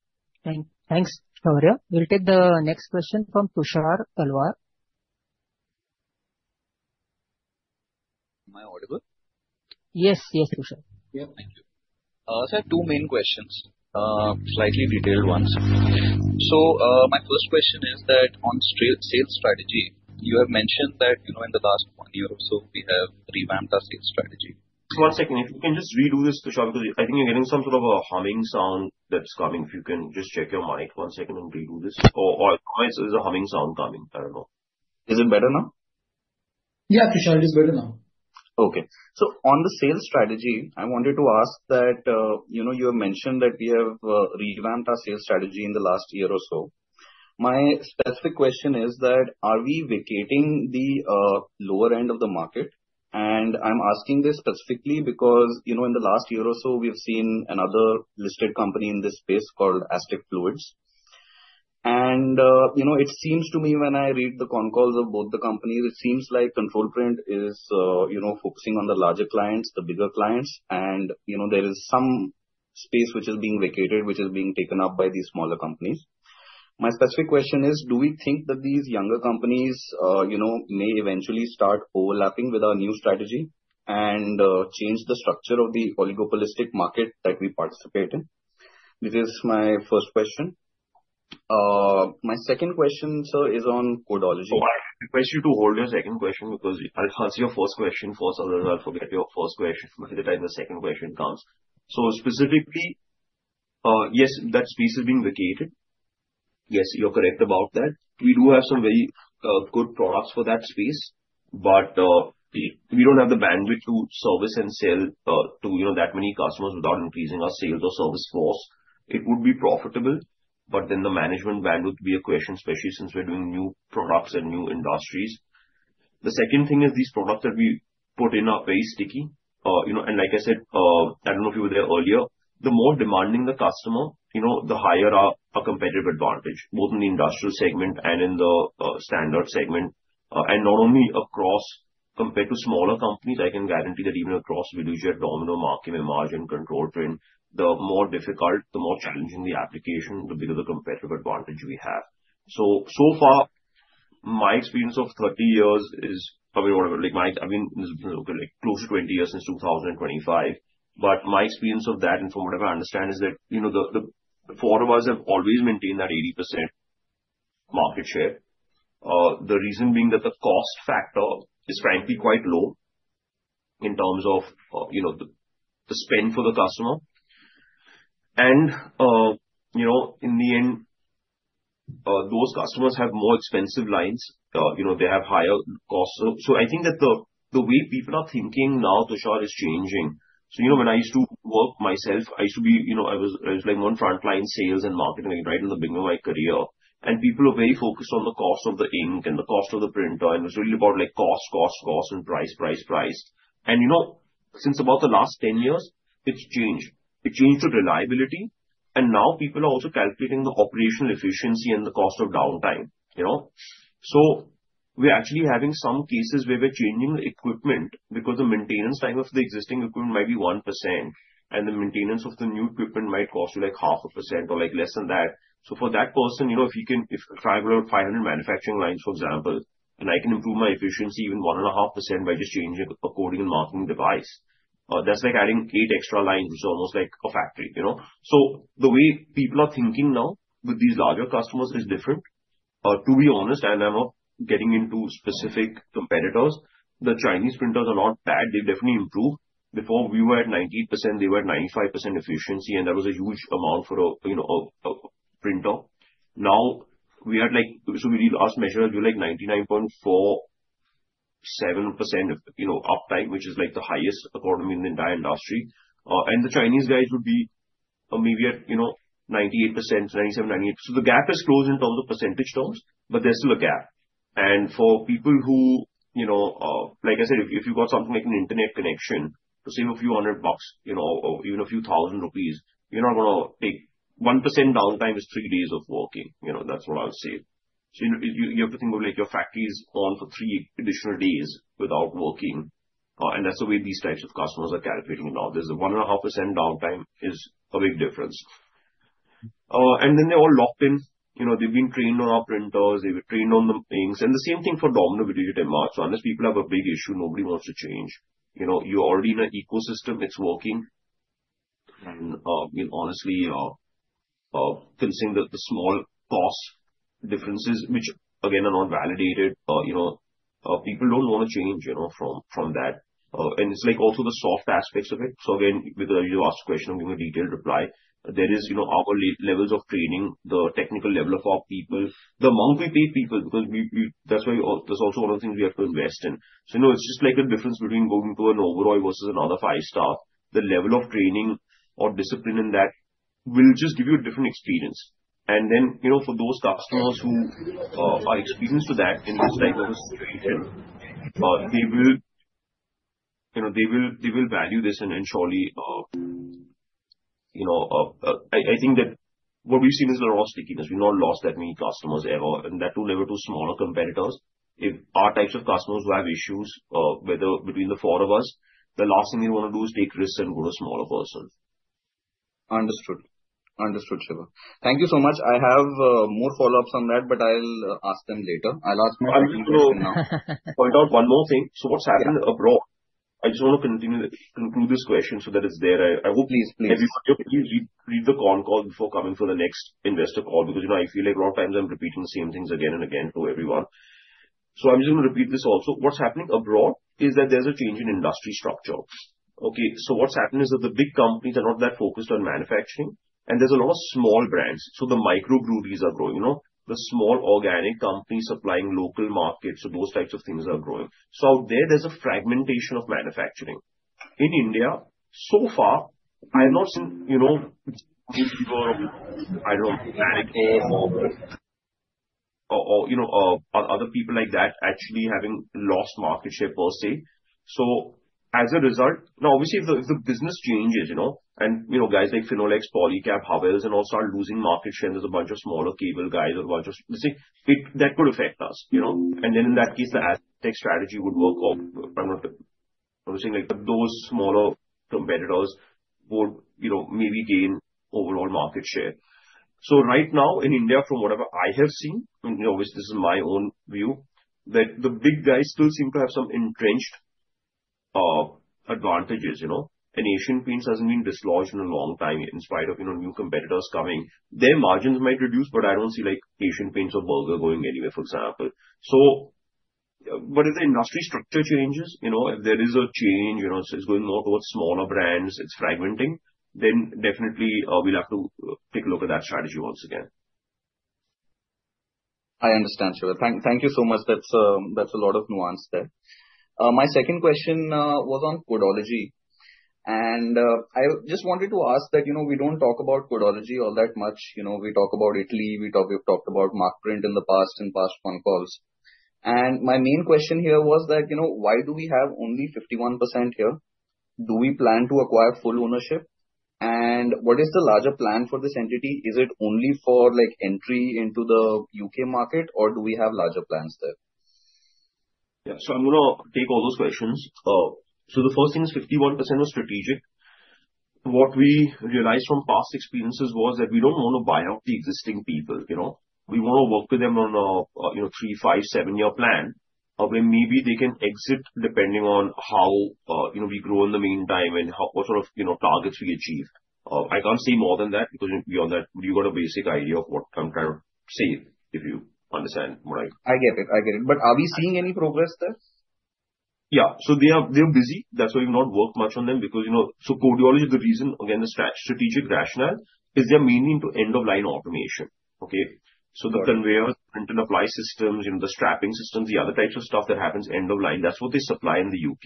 Thanks. Shaurya, we'll take the next question from Tushar Talwar. Am I audible? Yes, yes, Tushar. Yeah, thank you. So I have two main questions, slightly detailed ones. So my first question is that on sales strategy, you have mentioned that in the last one year-or-so, we have revamped our sales strategy. One second. If you can just redo this, Tushar, because I think you're getting some sort of a humming sound that's coming. If you can just check your mic one second and redo this. Or is it a humming sound coming? I don't know. Is it better now? Yeah, Tushar, it is better now. Okay. So on the sales strategy, I wanted to ask that you have mentioned that we have revamped our sales strategy in the last year or so. My specific question is that are we vacating the lower end of the market? And I'm asking this specifically because in the last year or so, we have seen another listed company in this space called Aztec Fluids. And it seems to me, when I read the concalls of both the companies, it seems like Control Print is focusing on the larger clients, the bigger clients. And there is some space which is being vacated, which is being taken up by these smaller companies. My specific question is, do we think that these younger companies may eventually start overlapping with our new strategy and change the structure of the oligopolistic market that we participate in? This is my first question. My second question, sir, is on Codeology. I'll ask you to hold your second question because I'll answer your first question first, otherwise I'll forget your first question by the time the second question comes. So specifically, yes, that space is being vacated. Yes, you're correct about that. We do have some very good products for that space, but we don't have the bandwidth to service and sell to that many customers without increasing our sales or service costs. It would be profitable, but then the management bandwidth would be a question, especially since we're doing new products and new industries. The second thing is these products that we put in are very sticky, and like I said, I don't know if you were there earlier. The more demanding the customer, the higher our competitive advantage, both in the industrial segment and in the standard segment. Not only across compared to smaller companies, I can guarantee that even across Videojet, Domino, Markem-Imaje, and Control Print, the more difficult, the more challenging the application, the bigger the competitive advantage we have. So far, my experience of 30 years is I mean, I've been in this business close to 20 years since 2025. But my experience of that, and from what I understand, is that the four of us have always maintained that 80% market share. The reason being that the cost factor is frankly quite low in terms of the spend for the customer. In the end, those customers have more expensive lines. They have higher costs. I think that the way people are thinking now, Tushar, is changing. So when I used to work myself, I used to be I was like more in frontline sales and marketing right in the beginning of my career. And people were very focused on the cost of the ink and the cost of the printer. And it was really about cost, cost, cost, and price, price, price. And since about the last 10 years, it's changed. It changed to reliability. And now people are also calculating the operational efficiency and the cost of downtime. So we're actually having some cases where we're changing the equipment because the maintenance time of the existing equipment might be 1%, and the maintenance of the new equipment might cost you like 0.5% or less than that. So for that person, if you can travel over 500 manufacturing lines, for example, and I can improve my efficiency even 1.5% by just changing a coding and marking device, that's like adding eight extra lines, which is almost like a factory. So the way people are thinking now with these larger customers is different. To be honest, and I'm not getting into specific competitors, the Chinese printers are not bad. They've definitely improved. Before, we were at 98%. They were at 95% efficiency, and that was a huge amount for a printer. Now, we had like so we last measured, we were like 99.47% uptime, which is like the highest economy in the entire industry. And the Chinese guys would be maybe at 98%, 97%, 98%. So the gap is closed in terms of percentage terms, but there's still a gap. For people who, like I said, if you've got something like an internet connection to save a few hundred bucks or even a few thousand rupees, you're not going to take 1% downtime. 1% is three days of working. That's what I would say. You have to think of your factory is on for three additional days without working. That's the way these types of customers are calculating it now. 1.5% downtime is a big difference. Then they're all locked in. They've been trained on our printers. They were trained on the inks. The same thing for Domino, Videojet, Markem-Imaje. Unless people have a big issue, nobody wants to change. You're already in an ecosystem. It's working. Honestly, considering the small cost differences, which again are not validated, people don't want to change from that. And it's like also the soft aspects of it. So again, with your last question, I'm giving a detailed reply. There are our levels of training, the technical level of our people, the amount we pay people, because that's why there's also a lot of things we have to invest in. So it's just like a difference between going to an overall versus another five-star staff. The level of training or discipline in that will just give you a different experience. And then for those customers who are experienced to that in this type of a situation, they will value this and surely I think that what we've seen is a lot of stickiness. We've not lost that many customers ever. And that too, level to smaller competitors. If our types of customers who have issues between the four of us, the last thing they want to do is take risks and go to a smaller person. Understood. Understood, Shiva. Thank you so much. I have more follow-ups on that, but I'll ask them later. I'll ask my question now. I'll just point out one more thing. So what's happening abroad? I just want to conclude this question so that it's there. I hope. Please, please. Everybody, please read the concall before coming for the next investor call because I feel like a lot of times I'm repeating the same things again and again to everyone. So I'm just going to repeat this also. What's happening abroad is that there's a change in industry structure. Okay. So what's happened is that the big companies are not that focused on manufacturing, and there's a lot of small brands. So the microbreweries are growing. The small organic companies supplying local markets, so those types of things are growing. So out there, there's a fragmentation of manufacturing. In India, so far, I have not seen people, I don't know, Panasonic or other people like that actually having lost market share per se. So as a result, now, obviously, if the business changes and guys like Finolex, Polycab, Havells, and all start losing market share, there's a bunch of smaller cable guys or a bunch of that could affect us. And then in that case, the Aztec strategy would work. I'm not saying. But those smaller competitors would maybe gain overall market share. So right now, in India, from whatever I have seen, and obviously, this is my own view, that the big guys still seem to have some entrenched advantages. Asian Paints hasn't been dislodged in a long time in spite of new competitors coming. Their margins might reduce, but I don't see Asian Paints or Berger going anywhere, for example. So what if the industry structure changes? If there is a change, it's going more towards smaller brands, it's fragmenting, then definitely we'll have to take a look at that strategy once again. I understand, Shiva. Thank you so much. That's a lot of nuance there. My second question was on Codeology. And I just wanted to ask that we don't talk about Codeology all that much. We talk about Italy. We've talked about Markprint in the past and past concalls. And my main question here was that why do we have only 51% here? Do we plan to acquire full ownership? And what is the larger plan for this entity? Is it only for entry into the U.K. market, or do we have larger plans there? Yeah. So I'm going to take all those questions. So the first thing is 51% was strategic. What we realized from past experiences was that we don't want to buy out the existing people. We want to work with them on a three, five, seven-year plan where maybe they can exit depending on how we grow in the meantime and what sort of targets we achieve. I can't say more than that because beyond that, you've got a basic idea of what I'm trying to say if you understand what I'm saying. I get it. I get it. But are we seeing any progress there? Yeah. So they're busy. That's why we've not worked much on them because so Codeology is the reason. Again, the strategic rationale is they're mainly into end-of-line automation. Okay. So the conveyors, print-and-apply systems, the strapping systems, the other types of stuff that happens end-of-line, that's what they supply in the U.K.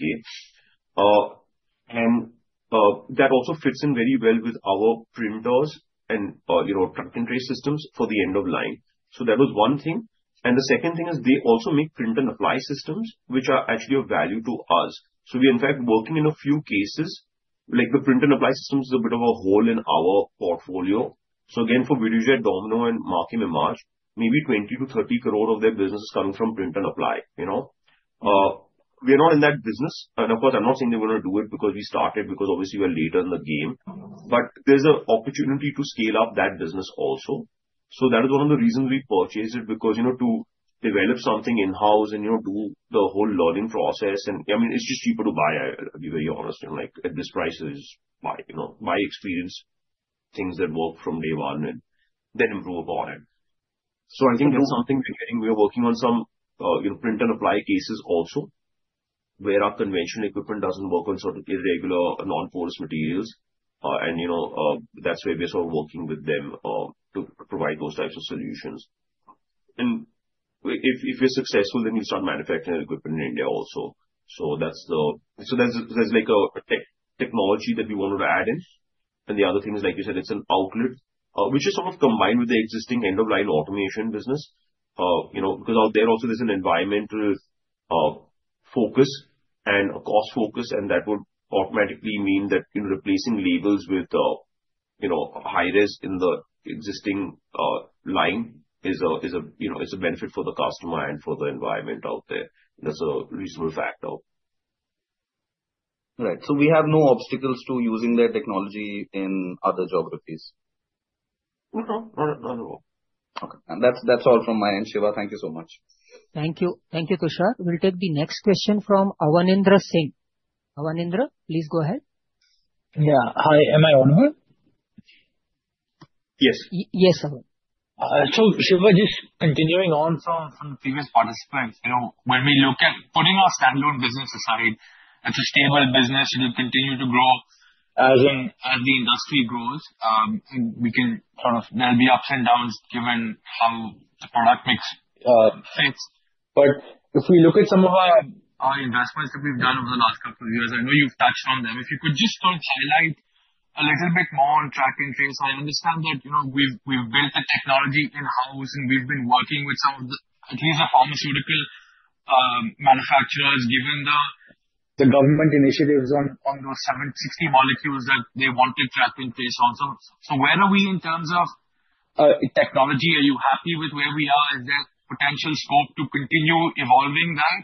And that also fits in very well with our printers and track-and-trace systems for the end-of-line. So that was one thing, and the second thing is they also make print-and-apply systems, which are actually of value to us. So we're in fact working in a few cases. The print-and-apply systems is a bit of a hole in our portfolio. So again, for Videojet, Domino, and Markem-Imaje, maybe 20-30 crore of their business is coming from print-and-apply. We're not in that business. And of course, I'm not saying they're going to do it because we started because obviously we're later in the game. But there's an opportunity to scale up that business also. So that is one of the reasons we purchased it because to develop something in-house and do the whole learning process. I mean, it's just cheaper to buy, to be very honest. At this price, it's just buy. Buy experience, things that work from day one, and then improve upon it. So I think that's something we're getting. We're working on some print-and-apply cases also where our conventional equipment doesn't work on sort of irregular non-porous materials. And that's where we're sort of working with them to provide those types of solutions. And if we're successful, then we'll start manufacturing equipment in India also. So that's the technology that we wanted to add in. And the other thing is, like you said, it's an outlet, which is sort of combined with the existing end-of-line automation business because out there also there's an environmental focus and a cost focus. And that would automatically mean that replacing labels with high-res in the existing line is a benefit for the customer and for the environment out there. That's a reasonable factor. Right. So we have no obstacles to using their technology in other geographies? No, no. Okay. That's all from my end, Shiva. Thank you so much. Thank you. Thank you, Tushar. We'll take the next question from Awanindra Singh. Awanindra, please go ahead. Yeah. Hi. Am I audible? Yes. Yes, Awanindra. So Shiva, just continuing on from the previous participants, when we look at putting our standalone business aside, it's a stable business. It will continue to grow as the industry grows. And we can sort of there'll be ups and downs given how the product mix fits. But if we look at some of our investments that we've done over the last couple of years, I know you've touched on them. If you could just sort of highlight a little bit more on track-and-trace. I understand that we've built the technology in-house, and we've been working with some of the at least the pharmaceutical manufacturers, given the government initiatives on those 760 molecules that they wanted track-and-trace also. So where are we in terms of technology? Are you happy with where we are? Is there potential scope to continue evolving that?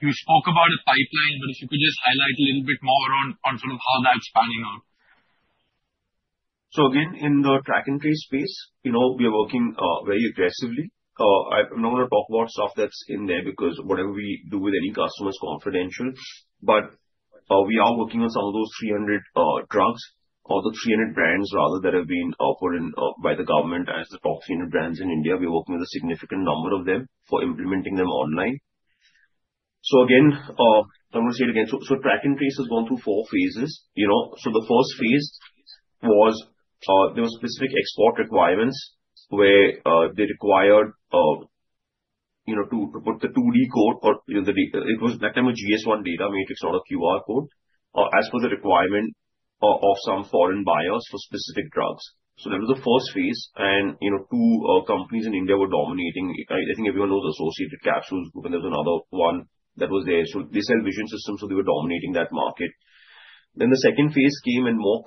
You spoke about a pipeline, but if you could just highlight a little bit more on sort of how that's panning out. So again, in the track and trace space, we are working very aggressively. I'm not going to talk about stuff that's in there because whatever we do with any customer is confidential. But we are working on some of those 300 drugs or the 300 brands, rather, that have been offered by the government as the top 300 brands in India. We're working with a significant number of them for implementing them online. So again, I'm going to say it again. Track and trace has gone through four phases. The first phase was there were specific export requirements where they required to put the 2D code or, at that time, a GS1 Data Matrix, not a QR code, as per the requirement of some foreign buyers for specific drugs. That was the first phase, and two companies in India were dominating. I think everyone knows the Associated Capsules Group, and there was another one that was there. So they sell vision systems, so they were dominating that market. Then the second phase came and more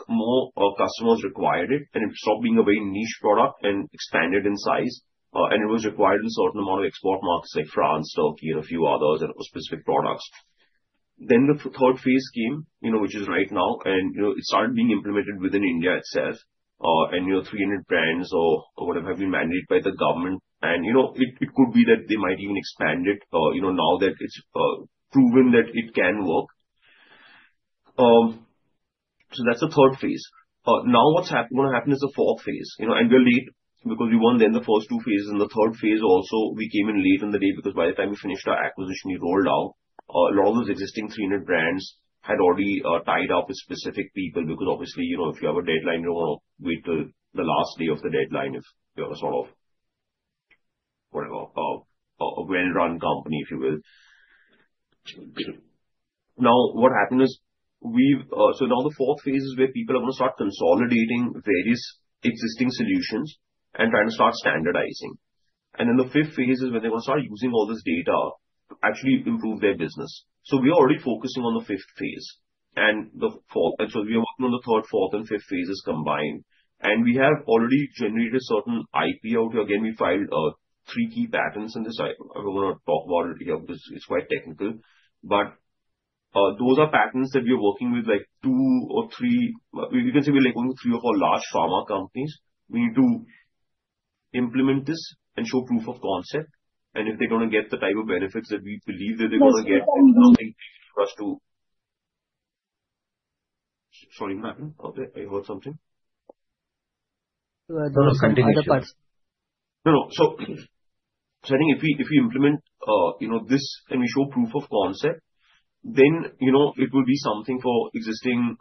customers required it. And it stopped being a very niche product and expanded in size. And it was required in a certain amount of export markets like France, Turkey, and a few others that were specific products. Then the third phase came, which is right now, and it started being implemented within India itself. And 300 brands or whatever have been mandated by the government. And it could be that they might even expand it now that it's proven that it can work. So that's the third phase. Now what's going to happen is the fourth phase. And we're late because we won then the first two phases. The third phase also, we came in late on the day because by the time we finished our acquisition, we rolled out. A lot of those existing 300 brands had already tied up with specific people because obviously, if you have a deadline, you don't want to wait till the last day of the deadline if you're sort of a well-run company, if you will. Now, what happened is so now the fourth phase is where people are going to start consolidating various existing solutions and trying to start standardizing. The fifth phase is when they're going to start using all this data to actually improve their business. We're already focusing on the fifth phase. We are working on the third, fourth, and fifth phases combined. We have already generated a certain IP out here. Again, we filed three key patents on this. I'm going to talk about it here because it's quite technical, but those are patents that we are working with, like two or three. You can say we're going to three or four large pharma companies. We need to implement this and show proof of concept, and if they're going to get the type of benefits that we believe that they're going to get. The thing for us to, sorry, Martin. I heard something. No, no. Continue. So I think if we implement this and we show proof of concept, then it will be something for existing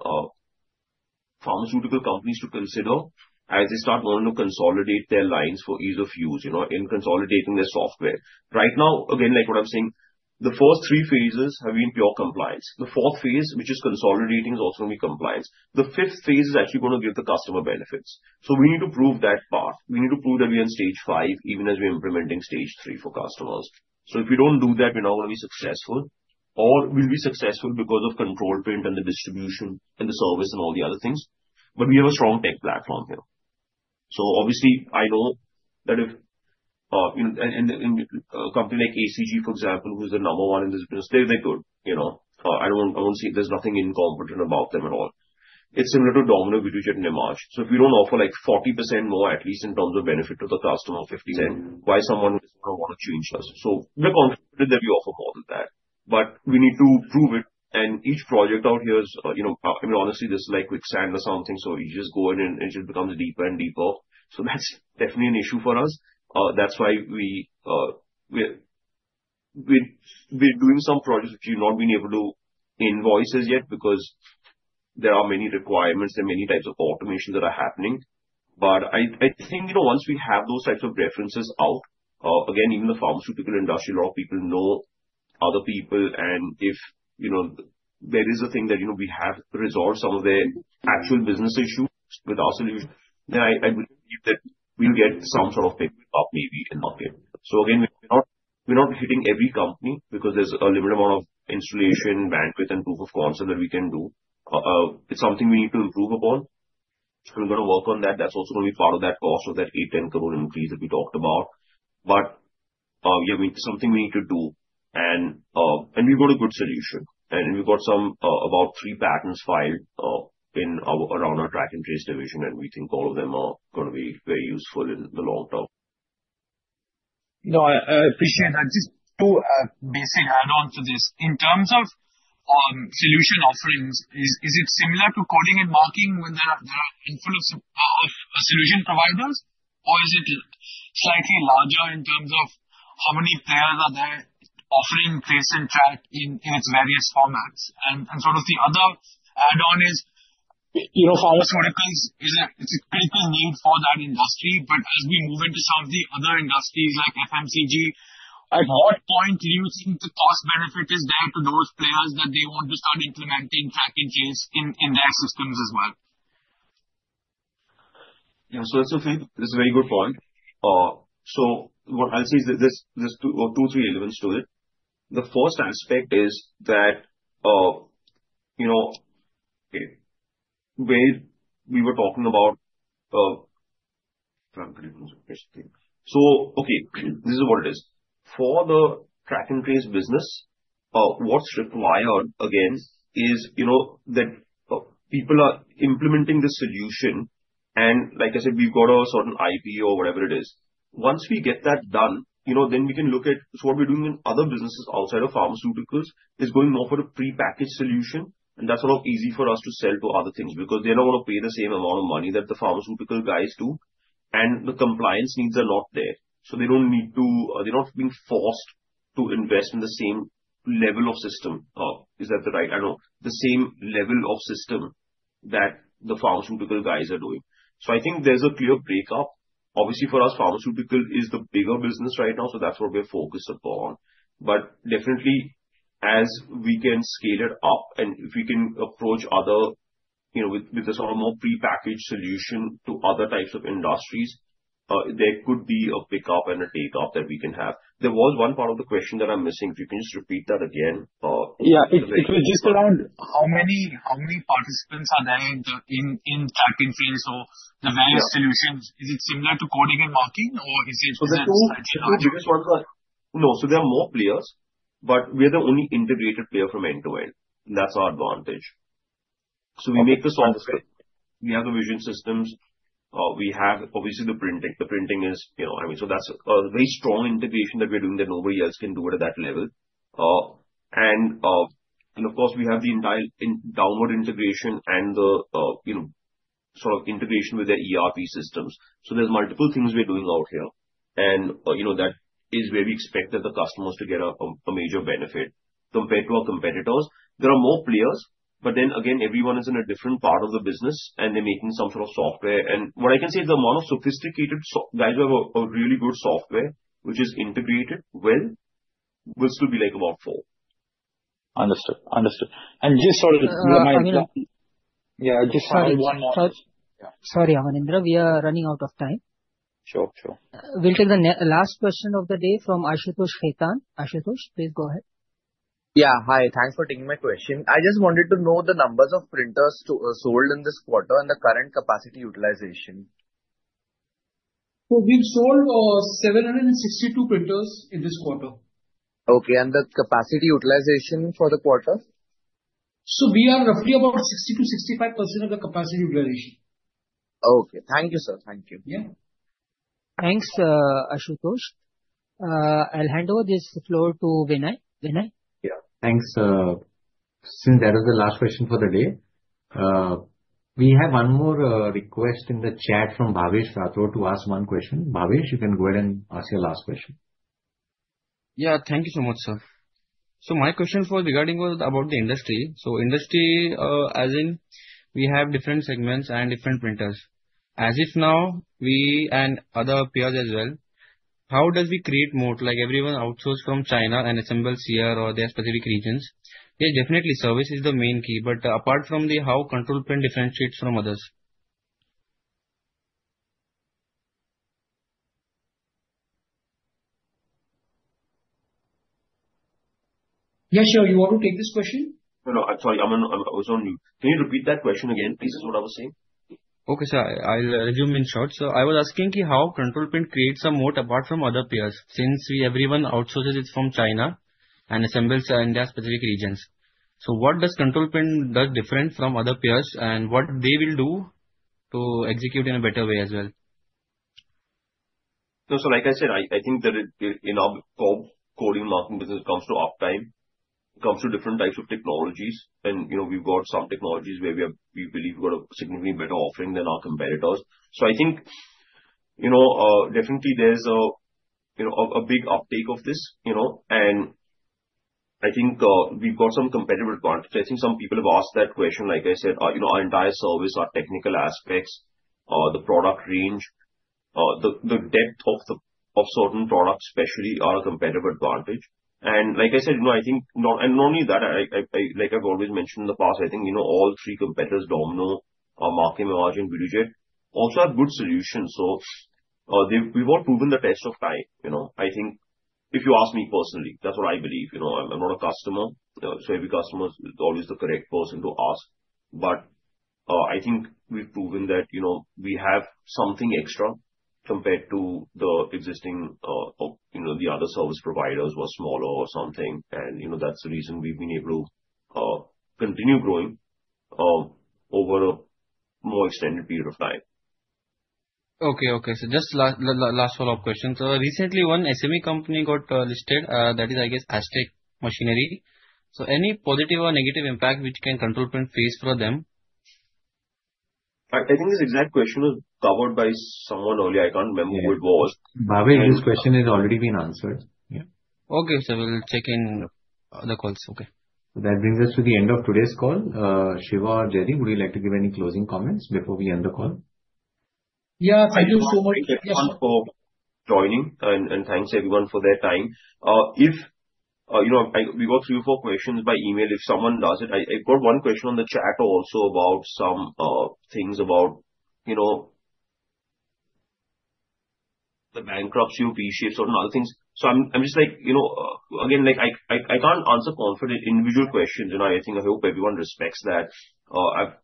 pharmaceutical companies to consider as they start wanting to consolidate their lines for ease of use in consolidating their software. Right now, again, like what I'm saying, the first three phases have been pure compliance. The fourth phase, which is consolidating, is also going to be compliance. The fifth phase is actually going to give the customer benefits. So we need to prove that path. We need to prove that we're in stage five, even as we're implementing stage three for customers. So if we don't do that, we're not going to be successful. Or we'll be successful because of Control Print and the distribution and the service and all the other things. But we have a strong tech platform here. So obviously, I know that if a company like ACG, for example, who's the number one in this business, they're good. I don't see there's nothing incompetent about them at all. It's similar to Domino, Videojet, and Markem-Imaje. So if we don't offer like 40% more, at least in terms of benefit to the customer, 50%. Then why someone is going to want to change us? So we're confident that we offer more than that. But we need to prove it. And each project out here is, I mean, honestly, this is like quicksand or something. So you just go in, and it just becomes deeper and deeper. So that's definitely an issue for us. That's why we're doing some projects which we've not been able to invoice as yet because there are many requirements and many types of automation that are happening. But I think once we have those types of references out, again, even the pharmaceutical industry, a lot of people know other people. And if there is a thing that we have resolved some of their actual business issues with our solution, then I believe that we'll get some sort of paperwork maybe. Market. So again, we're not hitting every company because there's a limited amount of installation, bandwidth, and proof of concept that we can do. It's something we need to improve upon. So we're going to work on that. That's also going to be part of that cost of that 8-10 crore increase that we talked about. But yeah, something we need to do. And we've got a good solution. And we've got about three patents filed around our track and trace division, and we think all of them are going to be very useful in the long term. No, I appreciate that. Just two basic add-ons to this. In terms of solution offerings, is it similar to Coding and Marking when there are a handful of solution providers, or is it slightly larger in terms of how many players are there offering track and trace in its various formats? And sort of the other add-on is pharmaceuticals, it's a critical need for that industry. But as we move into some of the other industries like FMCG, at what point do you think the cost benefit is there to those players that they want to start implementing track-and-trace in their systems as well? Yeah. So that's a very good point. So what I'll say is there's two or three elements to it. The first aspect is that where we were talking about if I'm going to use a question here. So okay, this is what it is. For the track-and-trace business, what's required, again, is that people are implementing the solution. And like I said, we've got a certain IP or whatever it is. Once we get that done, then we can look at what we're doing in other businesses outside of pharmaceuticals is going to offer a pre-packaged solution. And that's sort of easy for us to sell to other things because they're not going to pay the same amount of money that the pharmaceutical guys do. And the compliance needs are not there. So they don't need to, they're not being forced to invest in the same level of system. Is that right? I don't know. The same level of system that the pharmaceutical guys are doing. So I think there's a clear breakup. Obviously, for us, pharmaceutical is the bigger business right now. So that's what we're focused upon. But definitely, as we can scale it up and if we can approach other with a sort of more pre-packaged solution to other types of industries, there could be a pickup and a takeup that we can have. There was one part of the question that I'm missing. If you can just repeat that again. Yeah. It was just around how many participants are there in track and trace or the various solutions. Is it similar to Coding and Marking, or is it just a slightly larger? No, so there are more players, but we are the only integrated player from end to end. And that's our advantage. So we make the software. We have the vision systems. We have, obviously, the printing. The printing is, I mean, so that's a very strong integration that we're doing that nobody else can do at that level. And of course, we have the entire downward integration and the sort of integration with their ERP systems. So there's multiple things we're doing out here. And that is where we expect that the customers to get a major benefit compared to our competitors. There are more players, but then again, everyone is in a different part of the business, and they're making some sort of software. What I can say is the amount of sophisticated guys who have a really good software, which is integrated well, will still be like about four. Understood. Understood, and just sort of reminding you. Yeah. I just had one more. Sorry, Awanindra. We are running out of time. Sure. Sure. We'll take the last question of the day from Ashutosh Khetan. Ashutosh, please go ahead. Yeah. Hi. Thanks for taking my question. I just wanted to know the numbers of printers sold in this quarter and the current capacity utilization. We've sold 762 printers in this quarter. Okay, and the capacity utilization for the quarter? We are roughly about 60%-65% of the capacity utilization. Okay. Thank you, sir. Thank you. Yeah. Thanks, Ashutosh. I'll hand over this floor to Vinay. Vinay? Yeah. Thanks. Since that was the last question for the day, we have one more request in the chat from Bhavesh Rathore to ask one question. Bhavesh, you can go ahead and ask your last question. Yeah. Thank you so much, sir. So my question regarding was about the industry. So industry, as in we have different segments and different printers. As of now, we and other peers as well, how does we create more? Like everyone outsources from China and assembles here or their specific regions. Yeah, definitely, service is the main key. But apart from the how Control Print differentiates from others? Yeah. Shiva, you want to take this question? No, no. Sorry, I was on mute. "Can you repeat that question again, please" is what I was saying. Okay, sir. I'll resume in short. So I was asking how Control Print creates some more apart from other peers since everyone outsources it from China and assembles in their specific regions. So what does Control Print do different from other peers and what they will do to execute in a better way as well? No, so like I said, I think that in our Coding and Marking business, it comes to uptime. It comes to different types of technologies. And we've got some technologies where we believe we've got a significantly better offering than our competitors. So I think definitely there's a big uptake of this. And I think we've got some competitive advantage. I think some people have asked that question. Like I said, our entire service, our technical aspects, the product range, the depth of certain products especially are a competitive advantage. And like I said, I think not only that, like I've always mentioned in the past, I think all three competitors, Domino, Markem-Imaje, and Videojet, also have good solutions. So we've all proven the test of time. I think if you ask me personally, that's what I believe. I'm not a customer. So every customer is always the correct person to ask. But I think we've proven that we have something extra compared to the existing of the other service providers who are smaller or something. And that's the reason we've been able to continue growing over a more extended period of time. Okay. Okay. So just last follow-up question. So recently, one SME company got listed. That is, I guess, Aztec Machinery. So any positive or negative impact which can Control Print face for them? I think this exact question was covered by someone earlier. I can't remember who it was. Bhavesh, this question has already been answered. Yeah. Okay, sir. We'll check in other calls. Okay. So that brings us to the end of today's call. Shiva or Jaideep would you like to give any closing comments before we end the call? Yeah. Thank you so much. Thank everyone for joining. And thanks everyone for their time. If we got three or four questions by email, if someone does it, I've got one question on the chat also about some things about the bankruptcy of V-Shapes and other things. So I'm just like, again, I can't answer confidential individual questions. I think I hope everyone respects that. I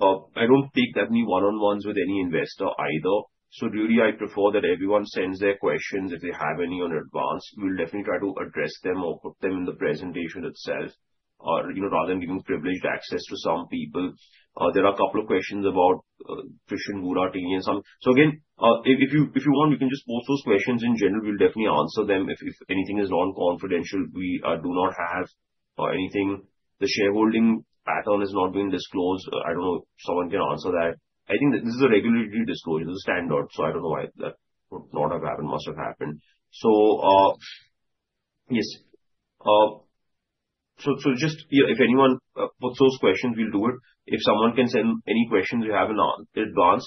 don't take that many one-on-ones with any investor either. So really, I prefer that everyone sends their questions if they have any in advance. We'll definitely try to address them or put them in the presentation itself rather than giving privileged access to some people. There are a couple of questions about Christian Burattini and some. So again, if you want, we can just post those questions in general. We'll definitely answer them. If anything is non-confidential, we do not have anything. The shareholding pattern is not being disclosed. I don't know if someone can answer that. I think this is a regulatory disclosure. This is standard, so I don't know why that would not have happened, it must have happened, so yes. Just if anyone puts those questions, we'll do it. If someone can send any questions you have in advance,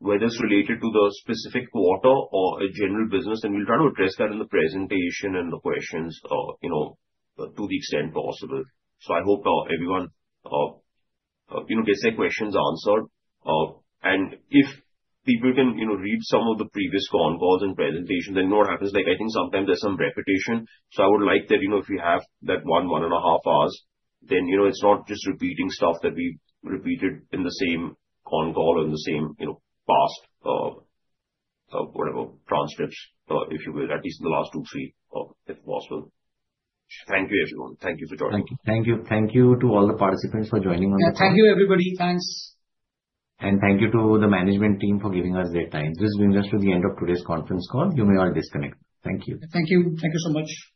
whether it's related to the specific quarter or a general business, then we'll try to address that in the presentation and the questions to the extent possible. I hope everyone gets their questions answered, and if people can read some of the previous con calls and presentations, then what happens is I think sometimes there's some repetition. So, I would like that if you have that one, one and a half hours, then it's not just repeating stuff that we repeated in the same convo or in the same past, whatever, transcripts, if you will, at least in the last two, three if possible. Thank you, everyone. Thank you for joining. Thank you. Thank you. Thank you to all the participants for joining on the call. Yeah. Thank you, everybody. Thanks. And thank you to the management team for giving us their time. This brings us to the end of today's conference call. You may all disconnect. Thank you. Thank you. Thank you so much.